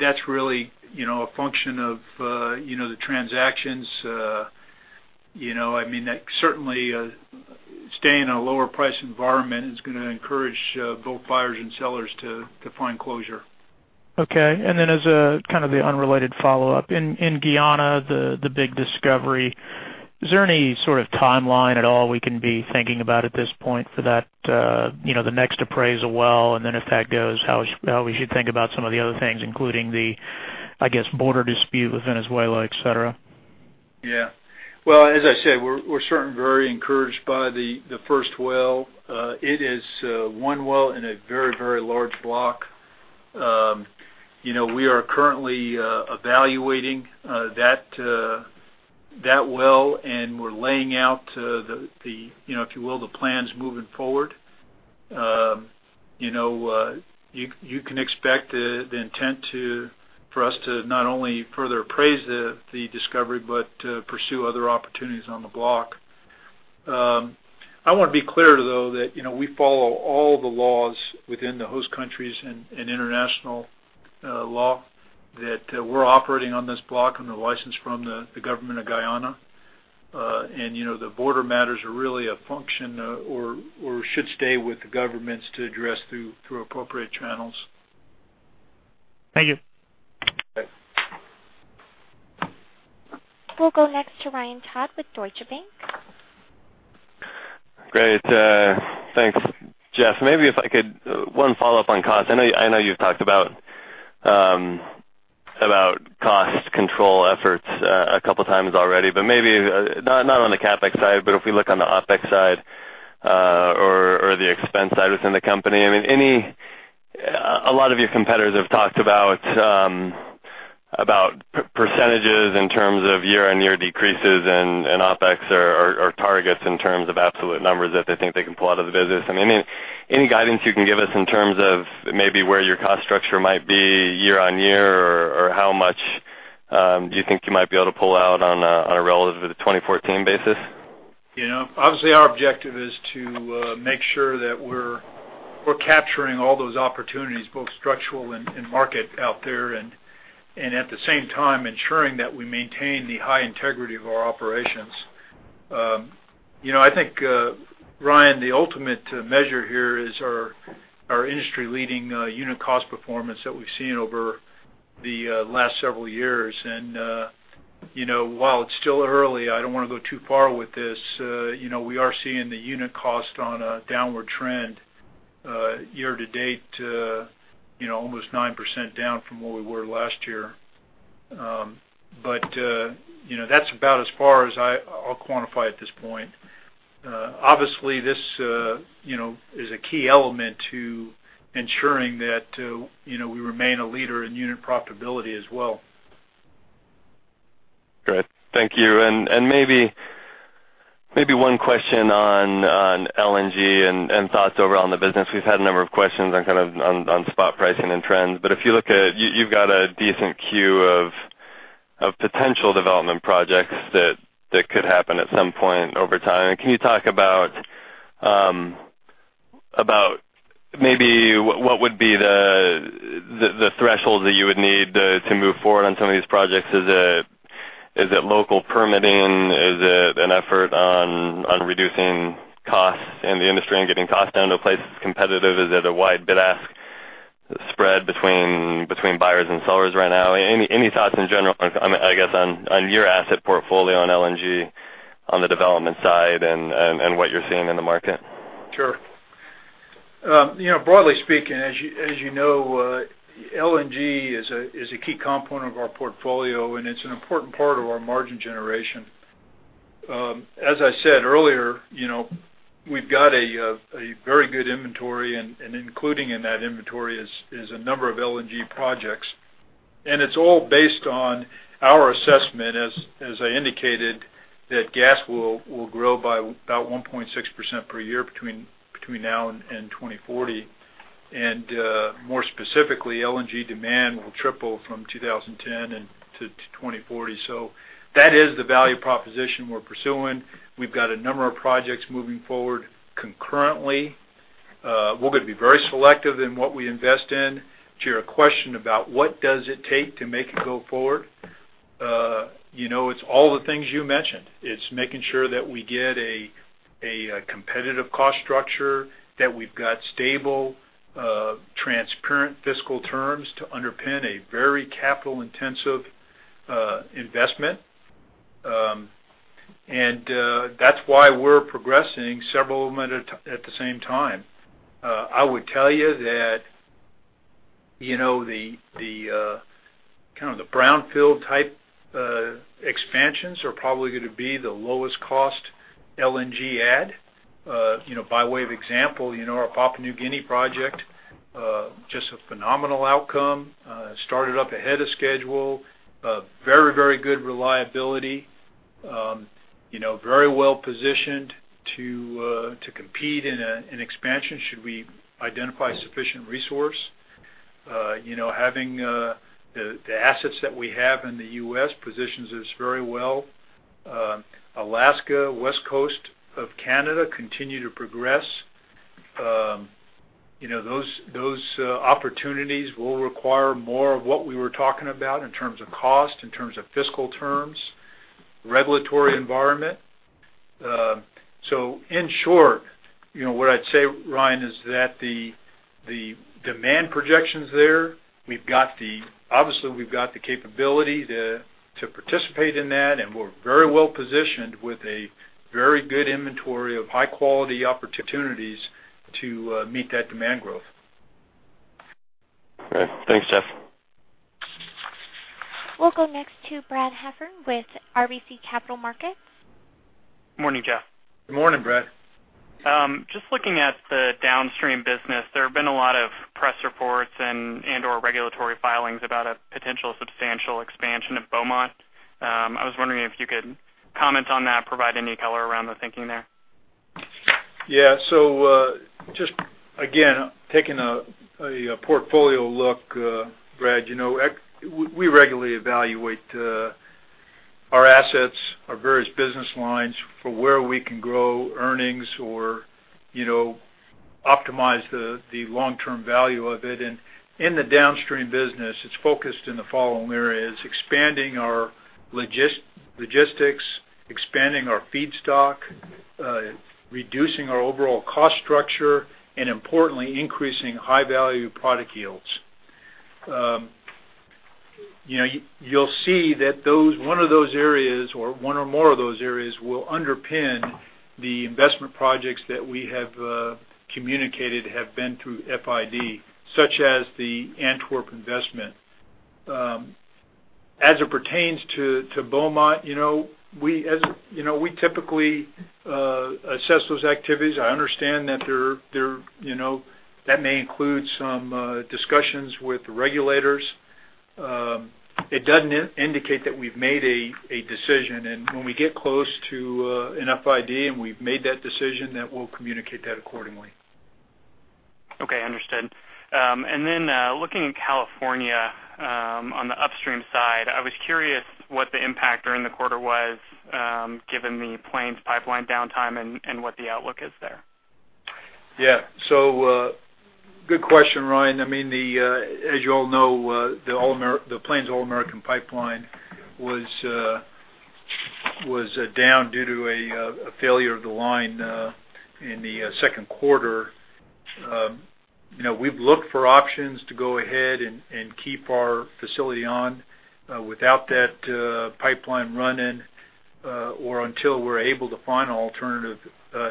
That's really a function of the transactions. Certainly, staying in a lower price environment is going to encourage both buyers and sellers to find closure.
As a kind of the unrelated follow-up. In Guyana, the big discovery, is there any sort of timeline at all we can be thinking about at this point for the next appraisal well, and then if that goes, how we should think about some of the other things, including the, I guess, border dispute with Venezuela, et cetera?
Yeah. Well, as I said, we're certainly very encouraged by the first well. It is one well in a very large block. We are currently evaluating that well and we're laying out the, if you will, the plans moving forward. You can expect the intent for us to not only further appraise the discovery, but to pursue other opportunities on the block. I want to be clear though, that we follow all the laws within the host countries and international law that we're operating on this block under license from the government of Guyana. The border matters are really a function or should stay with the governments to address through appropriate channels.
Thank you.
Okay.
We'll go next to Ryan Todd with Deutsche Bank.
Great. Thanks. Jeff, maybe if I could, one follow-up on cost. I know you've talked about cost control efforts a couple of times already, but maybe not on the CapEx side, but if we look on the OpEx side or the expense side within the company. A lot of your competitors have talked about percentages in terms of year-on-year decreases in OpEx or targets in terms of absolute numbers that they think they can pull out of the business. Any guidance you can give us in terms of maybe where your cost structure might be year-on-year, or how much you think you might be able to pull out on a relative to 2014 basis?
Obviously our objective is to make sure that we're capturing all those opportunities, both structural and market out there, and at the same time ensuring that we maintain the high integrity of our operations. I think, Ryan, the ultimate measure here is our industry leading unit cost performance that we've seen over the last several years. While it's still early, I don't want to go too far with this. We are seeing the unit cost on a downward trend year to date almost 9% down from where we were last year. That's about as far as I'll quantify at this point. Obviously, this is a key element to ensuring that we remain a leader in unit profitability as well.
Great. Thank you. Maybe one question on LNG and thoughts around the business. We've had a number of questions on spot pricing and trends, if you look at, you've got a decent queue of potential development projects that could happen at some point over time. Can you talk about maybe what would be the threshold that you would need to move forward on some of these projects? Is it local permitting? Is it an effort on reducing costs in the industry and getting costs down to a place that's competitive? Is it a wide bid-ask spread between buyers and sellers right now? Any thoughts in general, I guess, on your asset portfolio on LNG on the development side and what you're seeing in the market?
Sure. Broadly speaking, as you know LNG is a key component of our portfolio, it's an important part of our margin generation. As I said earlier, we've got a very good inventory and including in that inventory is a number of LNG projects. It's all based on our assessment, as I indicated, that gas will grow by about 1.6% per year between now and 2040. More specifically, LNG demand will triple from 2010 to 2040. That is the value proposition we're pursuing. We've got a number of projects moving forward concurrently. We're going to be very selective in what we invest in. To your question about what does it take to make it go forward? It's all the things you mentioned. It's making sure that we get a competitive cost structure, that we've got stable, transparent fiscal terms to underpin a very capital-intensive investment. That's why we're progressing several of them at the same time. I would tell you that the brownfield type expansions are probably going to be the lowest cost LNG add. By way of example, our Papua New Guinea project, just a phenomenal outcome. Started up ahead of schedule. Very good reliability. Very well positioned to compete in expansion should we identify sufficient resource. Having the assets that we have in the U.S. positions us very well. Alaska, West Coast of Canada continue to progress. Those opportunities will require more of what we were talking about in terms of cost, in terms of fiscal terms, regulatory environment. In short, what I'd say, Ryan, is that the demand projection's there. Obviously we've got the capability to participate in that, and we're very well positioned with a very good inventory of high quality opportunities to meet that demand growth.
Okay. Thanks, Jeff.
We'll go next to Brad Heffern with RBC Capital Markets.
Morning, Jeff.
Good morning, Brad.
Looking at the downstream business, there have been a lot of press reports and/or regulatory filings about a potential substantial expansion of Beaumont. I was wondering if you could comment on that, provide any color around the thinking there.
Just again, taking a portfolio look, Brad, we regularly evaluate our assets, our various business lines for where we can grow earnings or optimize the long-term value of it. In the downstream business, it's focused in the following areas: expanding our logistics, expanding our feedstock, reducing our overall cost structure, and importantly, increasing high-value product yields. You'll see that one of those areas or one or more of those areas will underpin the investment projects that we have communicated have been through FID, such as the Antwerp investment. As it pertains to Beaumont, we typically assess those activities. I understand that may include some discussions with regulators. It doesn't indicate that we've made a decision. When we get close to an FID and we've made that decision, we'll communicate that accordingly.
Understood. Looking in California on the upstream side, I was curious what the impact during the quarter was given the Plains pipeline downtime and what the outlook is there.
Yeah. Good question, Ryan. As you all know the Plains All American Pipeline was down due to a failure of the line in the second quarter. We've looked for options to go ahead and keep our facility on without that pipeline running or until we're able to find an alternative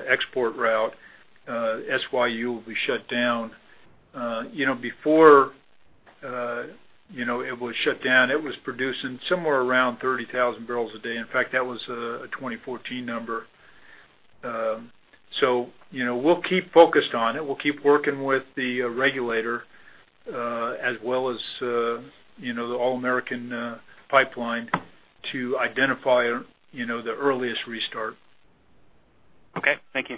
export route. SYU will be shut down. Before it was shut down, it was producing somewhere around 30,000 barrels a day. In fact, that was a 2014 number. We'll keep focused on it. We'll keep working with the regulator as well as the All American Pipeline to identify the earliest restart.
Okay. Thank you.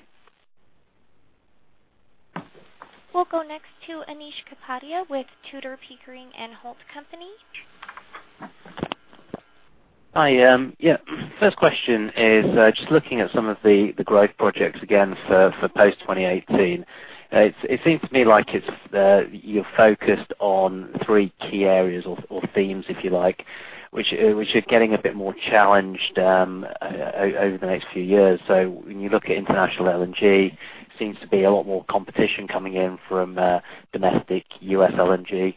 We'll go next to Anish Kapadia with Tudor, Pickering, Holt & Co.
Hi. First question is just looking at some of the growth projects again for post 2018. It seems to me like you're focused on three key areas or themes, if you like, which are getting a bit more challenged over the next few years. When you look at international LNG, seems to be a lot more competition coming in from domestic U.S. LNG.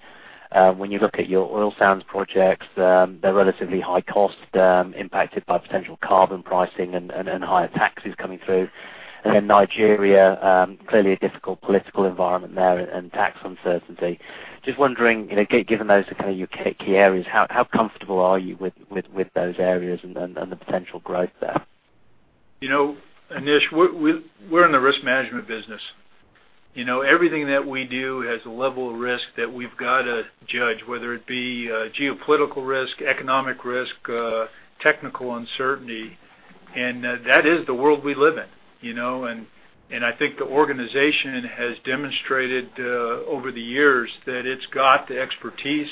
When you look at your Oil Sands projects, they're relatively high cost, impacted by potential carbon pricing and higher taxes coming through. Nigeria, clearly a difficult political environment there and tax uncertainty. Just wondering, given those are your key areas, how comfortable are you with those areas and the potential growth there?
Anish, we're in the risk management business. Everything that we do has a level of risk that we've got to judge, whether it be geopolitical risk, economic risk, technical uncertainty, and that is the world we live in. I think the organization has demonstrated over the years that it's got the expertise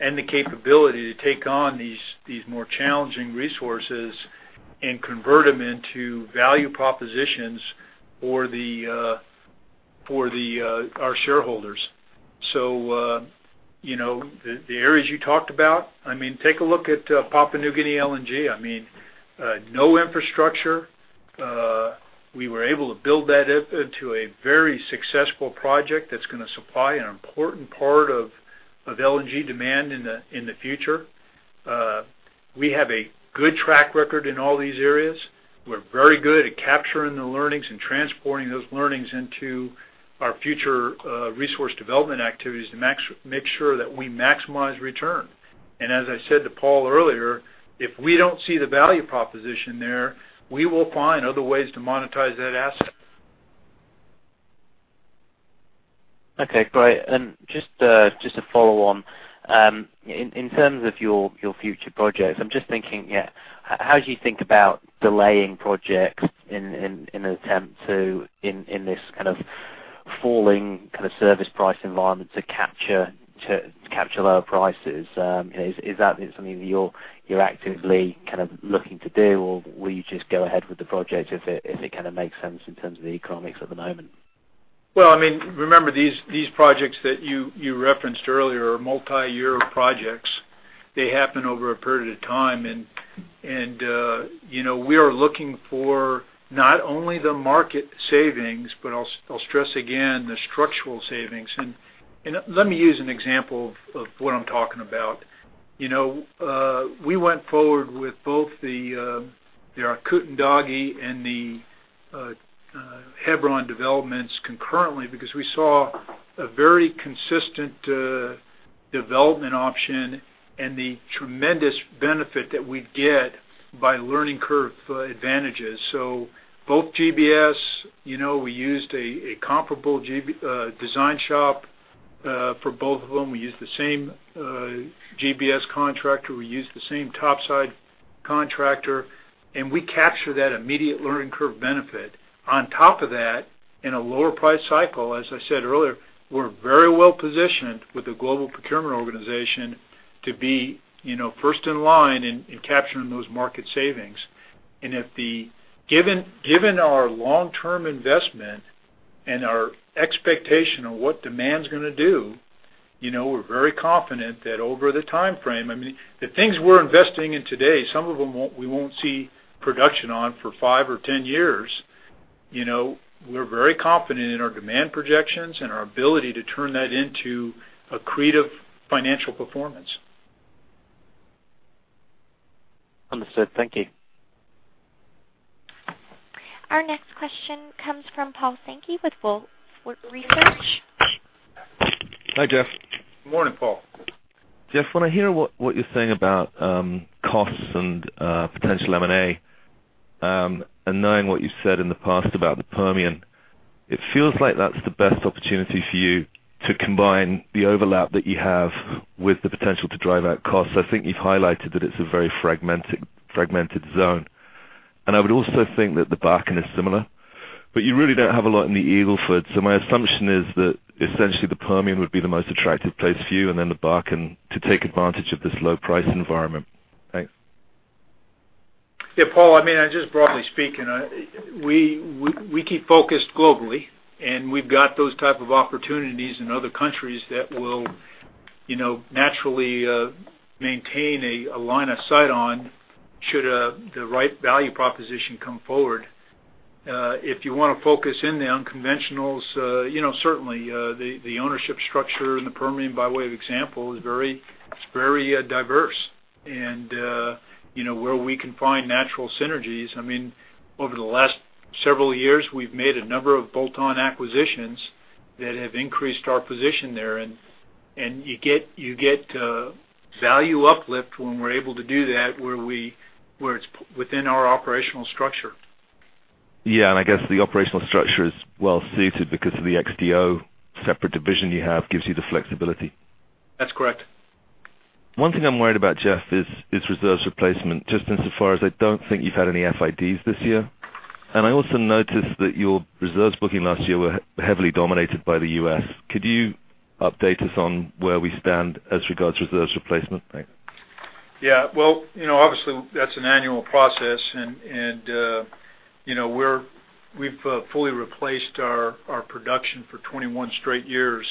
and the capability to take on these more challenging resources and convert them into value propositions for our shareholders. The areas you talked about, take a look at Papua New Guinea LNG. No infrastructure. We were able to build that into a very successful project that's going to supply an important part of LNG demand in the future. We have a good track record in all these areas. We're very good at capturing the learnings and transporting those learnings into our future resource development activities to make sure that we maximize return. As I said to Paul earlier, if we don't see the value proposition there, we will find other ways to monetize that asset.
Okay, great. Just to follow on, in terms of your future projects, I'm just thinking, how do you think about delaying projects in an attempt to, in this kind of falling kind of service price environment, to capture lower prices? Is that something that you're actively kind of looking to do, or will you just go ahead with the project if it kind of makes sense in terms of the economics at the moment?
Well, remember, these projects that you referenced earlier are multi-year projects. They happen over a period of time, we are looking for not only the market savings, but I'll stress again, the structural savings. Let me use an example of what I'm talking about. We went forward with both the Arkutun-Dagi and the Hebron developments concurrently because we saw a very consistent development option and the tremendous benefit that we'd get by learning curve advantages. Both GBS, we used a comparable design shop for both of them. We used the same GBS contractor. We used the same topside contractor, and we captured that immediate learning curve benefit. On top of that, in a lower price cycle, as I said earlier, we're very well-positioned with the global procurement organization to be first in line in capturing those market savings. Given our long-term investment and our expectation of what demand's going to do, we're very confident that the things we're investing in today, some of them we won't see production on for five or 10 years. We're very confident in our demand projections and our ability to turn that into accretive financial performance.
Understood. Thank you.
Our next question comes from Paul Sankey with Wolfe Research.
Hi, Jeff.
Morning, Paul.
Jeff, when I hear what you're saying about costs and potential M&A, and knowing what you've said in the past about the Permian, it feels like that's the best opportunity for you to combine the overlap that you have with the potential to drive out costs. I think you've highlighted that it's a very fragmented zone. I would also think that the Bakken is similar, but you really don't have a lot in the Eagle Ford. My assumption is that essentially the Permian would be the most attractive place for you and then the Bakken to take advantage of this low price environment. Thanks.
Yeah, Paul. Just broadly speaking, we keep focused globally, and we've got those type of opportunities in other countries that we'll naturally maintain a line of sight on should the right value proposition come forward. If you want to focus in the unconventionals, certainly, the ownership structure in the Permian, by way of example, is very diverse. Where we can find natural synergies, over the last several years, we've made a number of bolt-on acquisitions that have increased our position there, and you get value uplift when we're able to do that where it's within our operational structure.
Yeah, I guess the operational structure is well-suited because of the XTO separate division you have gives you the flexibility.
That's correct.
One thing I'm worried about, Jeff, is reserves replacement, just insofar as I don't think you've had any FIDs this year. I also noticed that your reserves booking last year were heavily dominated by the U.S. Could you update us on where we stand as regards reserves replacement? Thanks.
Yeah. Well, obviously, that's an annual process, and we've fully replaced our production for 21 straight years.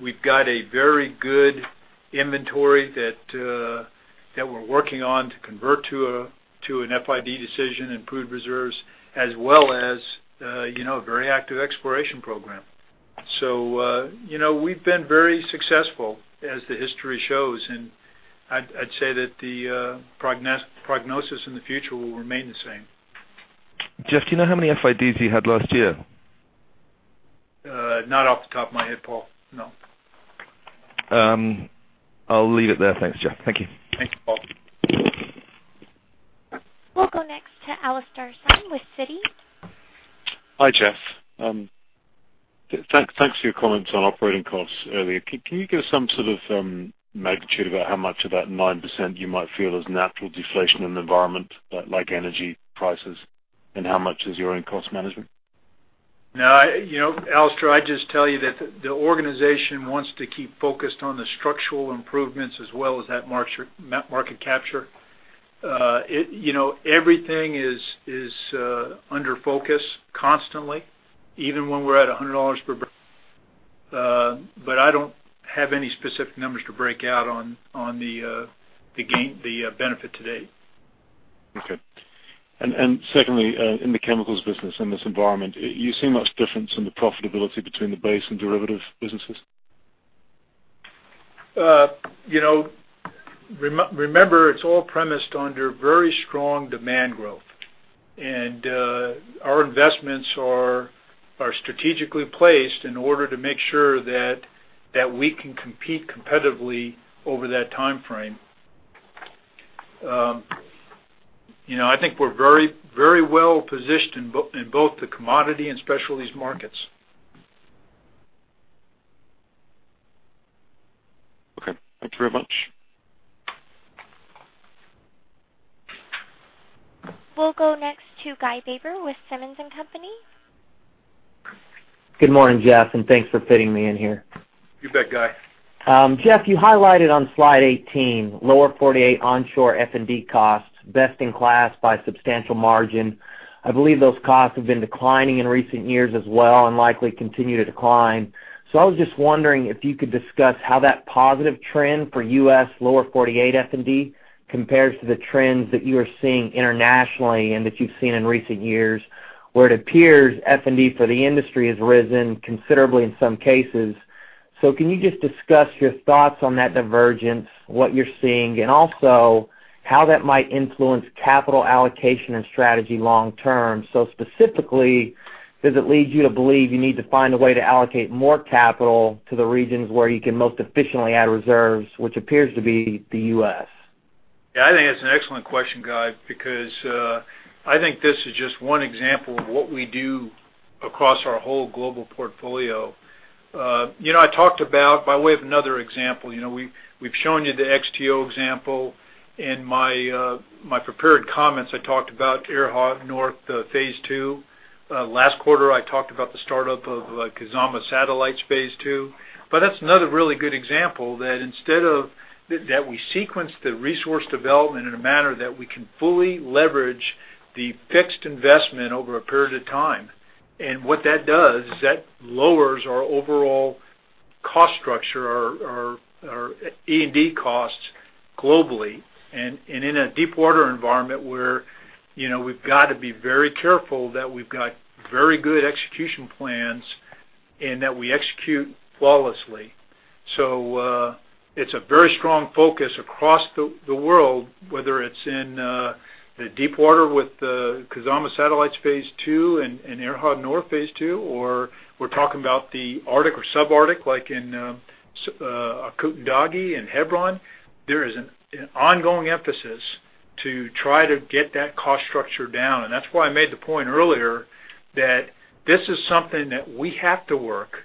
We've got a very good inventory that we're working on to convert to an FID decision in proved reserves, as well as a very active exploration program. We've been very successful as the history shows, and I'd say that the prognosis in the future will remain the same.
Jeff, do you know how many FIDs you had last year?
Not off the top of my head, Paul. No.
I'll leave it there. Thanks, Jeff. Thank you.
Thanks, Paul.
We'll go next to Alastair Syme with Citi.
Hi, Jeff. Thanks for your comments on operating costs earlier. Can you give some sort of magnitude about how much of that 9% you might feel is natural deflation in the environment, like energy prices? How much is your own cost management?
Alastair, I'd just tell you that the organization wants to keep focused on the structural improvements as well as that market capture. Everything is under focus constantly, even when we're at $100 per barrel. I don't have any specific numbers to break out on the benefit to date.
Okay. Secondly, in the chemicals business, in this environment, you see much difference in the profitability between the base and derivative businesses?
Remember, it's all premised under very strong demand growth. Our investments are strategically placed in order to make sure that we can compete competitively over that timeframe. I think we're very well positioned in both the commodity and specialties markets.
Okay. Thank you very much.
We'll go next to Guy Baber with Simmons & Company.
Good morning, Jeff, thanks for fitting me in here.
You bet, Guy.
Jeff, you highlighted on slide 18, Lower 48 onshore F&D costs, best in class by a substantial margin. I believe those costs have been declining in recent years as well and likely continue to decline. I was just wondering if you could discuss how that positive trend for U.S. Lower 48 F&D compares to the trends that you are seeing internationally and that you've seen in recent years, where it appears F&D for the industry has risen considerably in some cases. Can you just discuss your thoughts on that divergence, what you're seeing, and also how that might influence capital allocation and strategy long term? Specifically, does it lead you to believe you need to find a way to allocate more capital to the regions where you can most efficiently add reserves, which appears to be the U.S.?
I think that's an excellent question, Guy, because I think this is just one example of what we do across our whole global portfolio. I talked about, by way of another example, we've shown you the XTO example. In my prepared comments, I talked about Erha North, the phase 2. Last quarter, I talked about the start-up of Kizomba Satellites, phase 2. That's another really good example that we sequence the resource development in a manner that we can fully leverage the fixed investment over a period of time. What that does is that lowers our overall cost structure, our E&D costs globally. In a deepwater environment where we've got to be very careful that we've got very good execution plans and that we execute flawlessly. It's a very strong focus across the world, whether it's in the deepwater with the Kizomba Satellites phase 2 and Erha North phase 2, or we're talking about the Arctic or sub-Arctic, like in Arkutun-Dagi and Hebron. There is an ongoing emphasis to try to get that cost structure down. That's why I made the point earlier that this is something that we have to work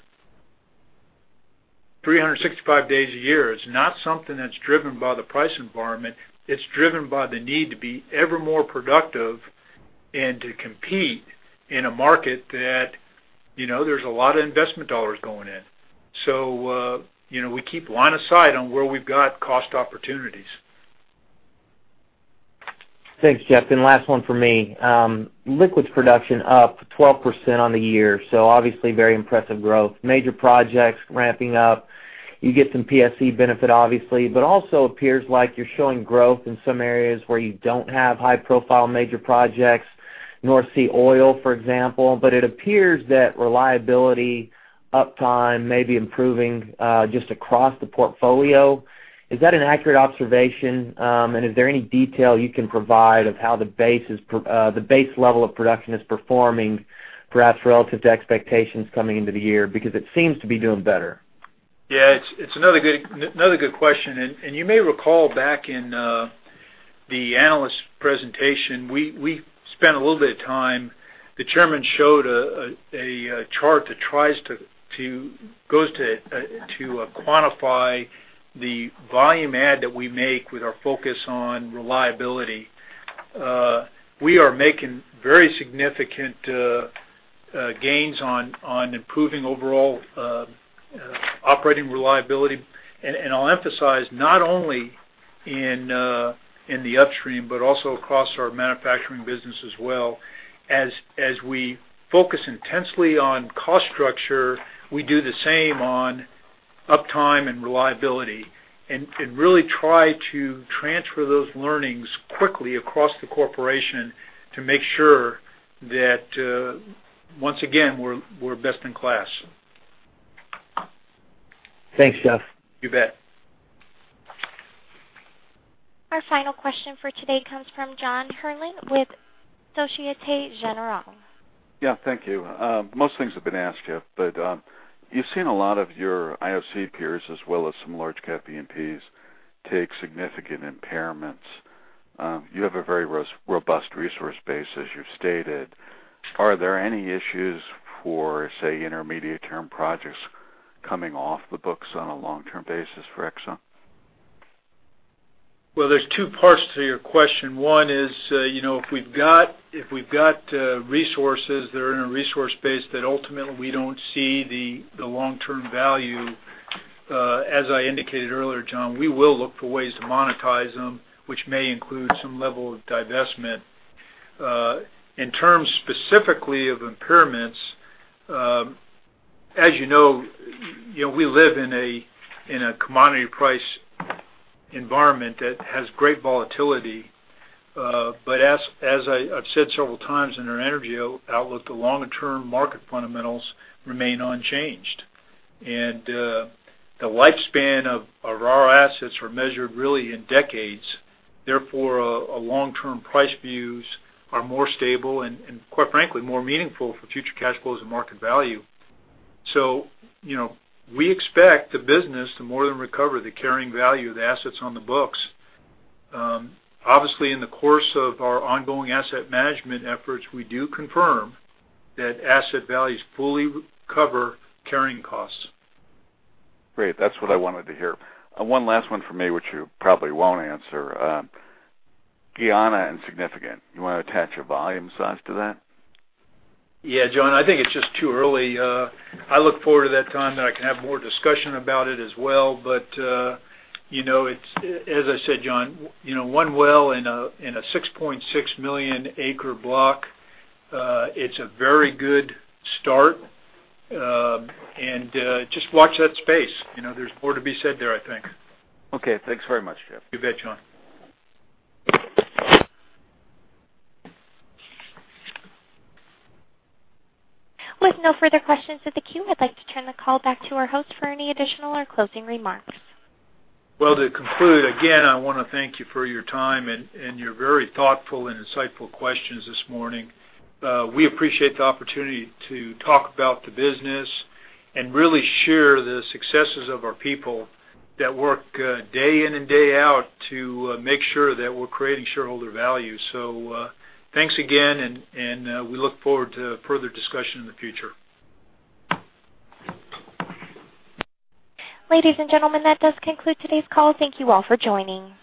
365 days a year. It's not something that's driven by the price environment. It's driven by the need to be ever more productive and to compete in a market that there's a lot of investment dollars going in. We keep line of sight on where we've got cost opportunities.
Thanks, Jeff. Last one from me. Liquids production up 12% on the year, obviously very impressive growth. Major projects ramping up. You get some PSC benefit, obviously, but also appears like you're showing growth in some areas where you don't have high-profile major projects, North Sea Oil, for example. It appears that reliability uptime may be improving just across the portfolio. Is that an accurate observation? Is there any detail you can provide of how the base level of production is performing, perhaps relative to expectations coming into the year? Because it seems to be doing better.
Yeah, it's another good question. You may recall back in the analyst presentation, we spent a little bit of time. The chairman showed a chart that goes to quantify the volume add that we make with our focus on reliability. We are making very significant gains on improving overall operating reliability. I'll emphasize not only in the upstream, but also across our manufacturing business as well. As we focus intensely on cost structure, we do the same on uptime and reliability. Really try to transfer those learnings quickly across the corporation to make sure that, once again, we're best in class.
Thanks, Jeff.
You bet.
Our final question for today comes from John Herrlin with Société Générale.
Yeah, thank you. Most things have been asked, Jeff, but you've seen a lot of your IOC peers, as well as some large cap E&Ps, take significant impairments. You have a very robust resource base as you've stated. Are there any issues for, say, intermediate term projects coming off the books on a long-term basis for Exxon?
Well, there's two parts to your question. One is, if we've got resources that are in a resource base that ultimately we don't see the long-term value, as I indicated earlier, John, we will look for ways to monetize them, which may include some level of divestment. In terms specifically of impairments, as you know, we live in a commodity price environment that has great volatility. As I've said several times in our interview, outlook, the longer term market fundamentals remain unchanged. The lifespan of our assets are measured really in decades. Therefore, long-term price views are more stable and, quite frankly, more meaningful for future cash flows and market value. We expect the business to more than recover the carrying value of the assets on the books. Obviously, in the course of our ongoing asset management efforts, we do confirm that asset values fully cover carrying costs.
Great. That's what I wanted to hear. One last one from me, which you probably won't answer. Guyana insignificant. You want to attach a volume size to that?
John, I think it's just too early. I look forward to that time that I can have more discussion about it as well. As I said, John, one well in a 6.6 million acre block, it's a very good start. Just watch that space. There's more to be said there, I think.
Thanks very much, Jeff.
You bet, John.
With no further questions in the queue, I'd like to turn the call back to our host for any additional or closing remarks.
To conclude, again, I want to thank you for your time and your very thoughtful and insightful questions this morning. We appreciate the opportunity to talk about the business and really share the successes of our people that work day in and day out to make sure that we're creating shareholder value. Thanks again, and we look forward to further discussion in the future.
Ladies and gentlemen, that does conclude today's call. Thank you all for joining.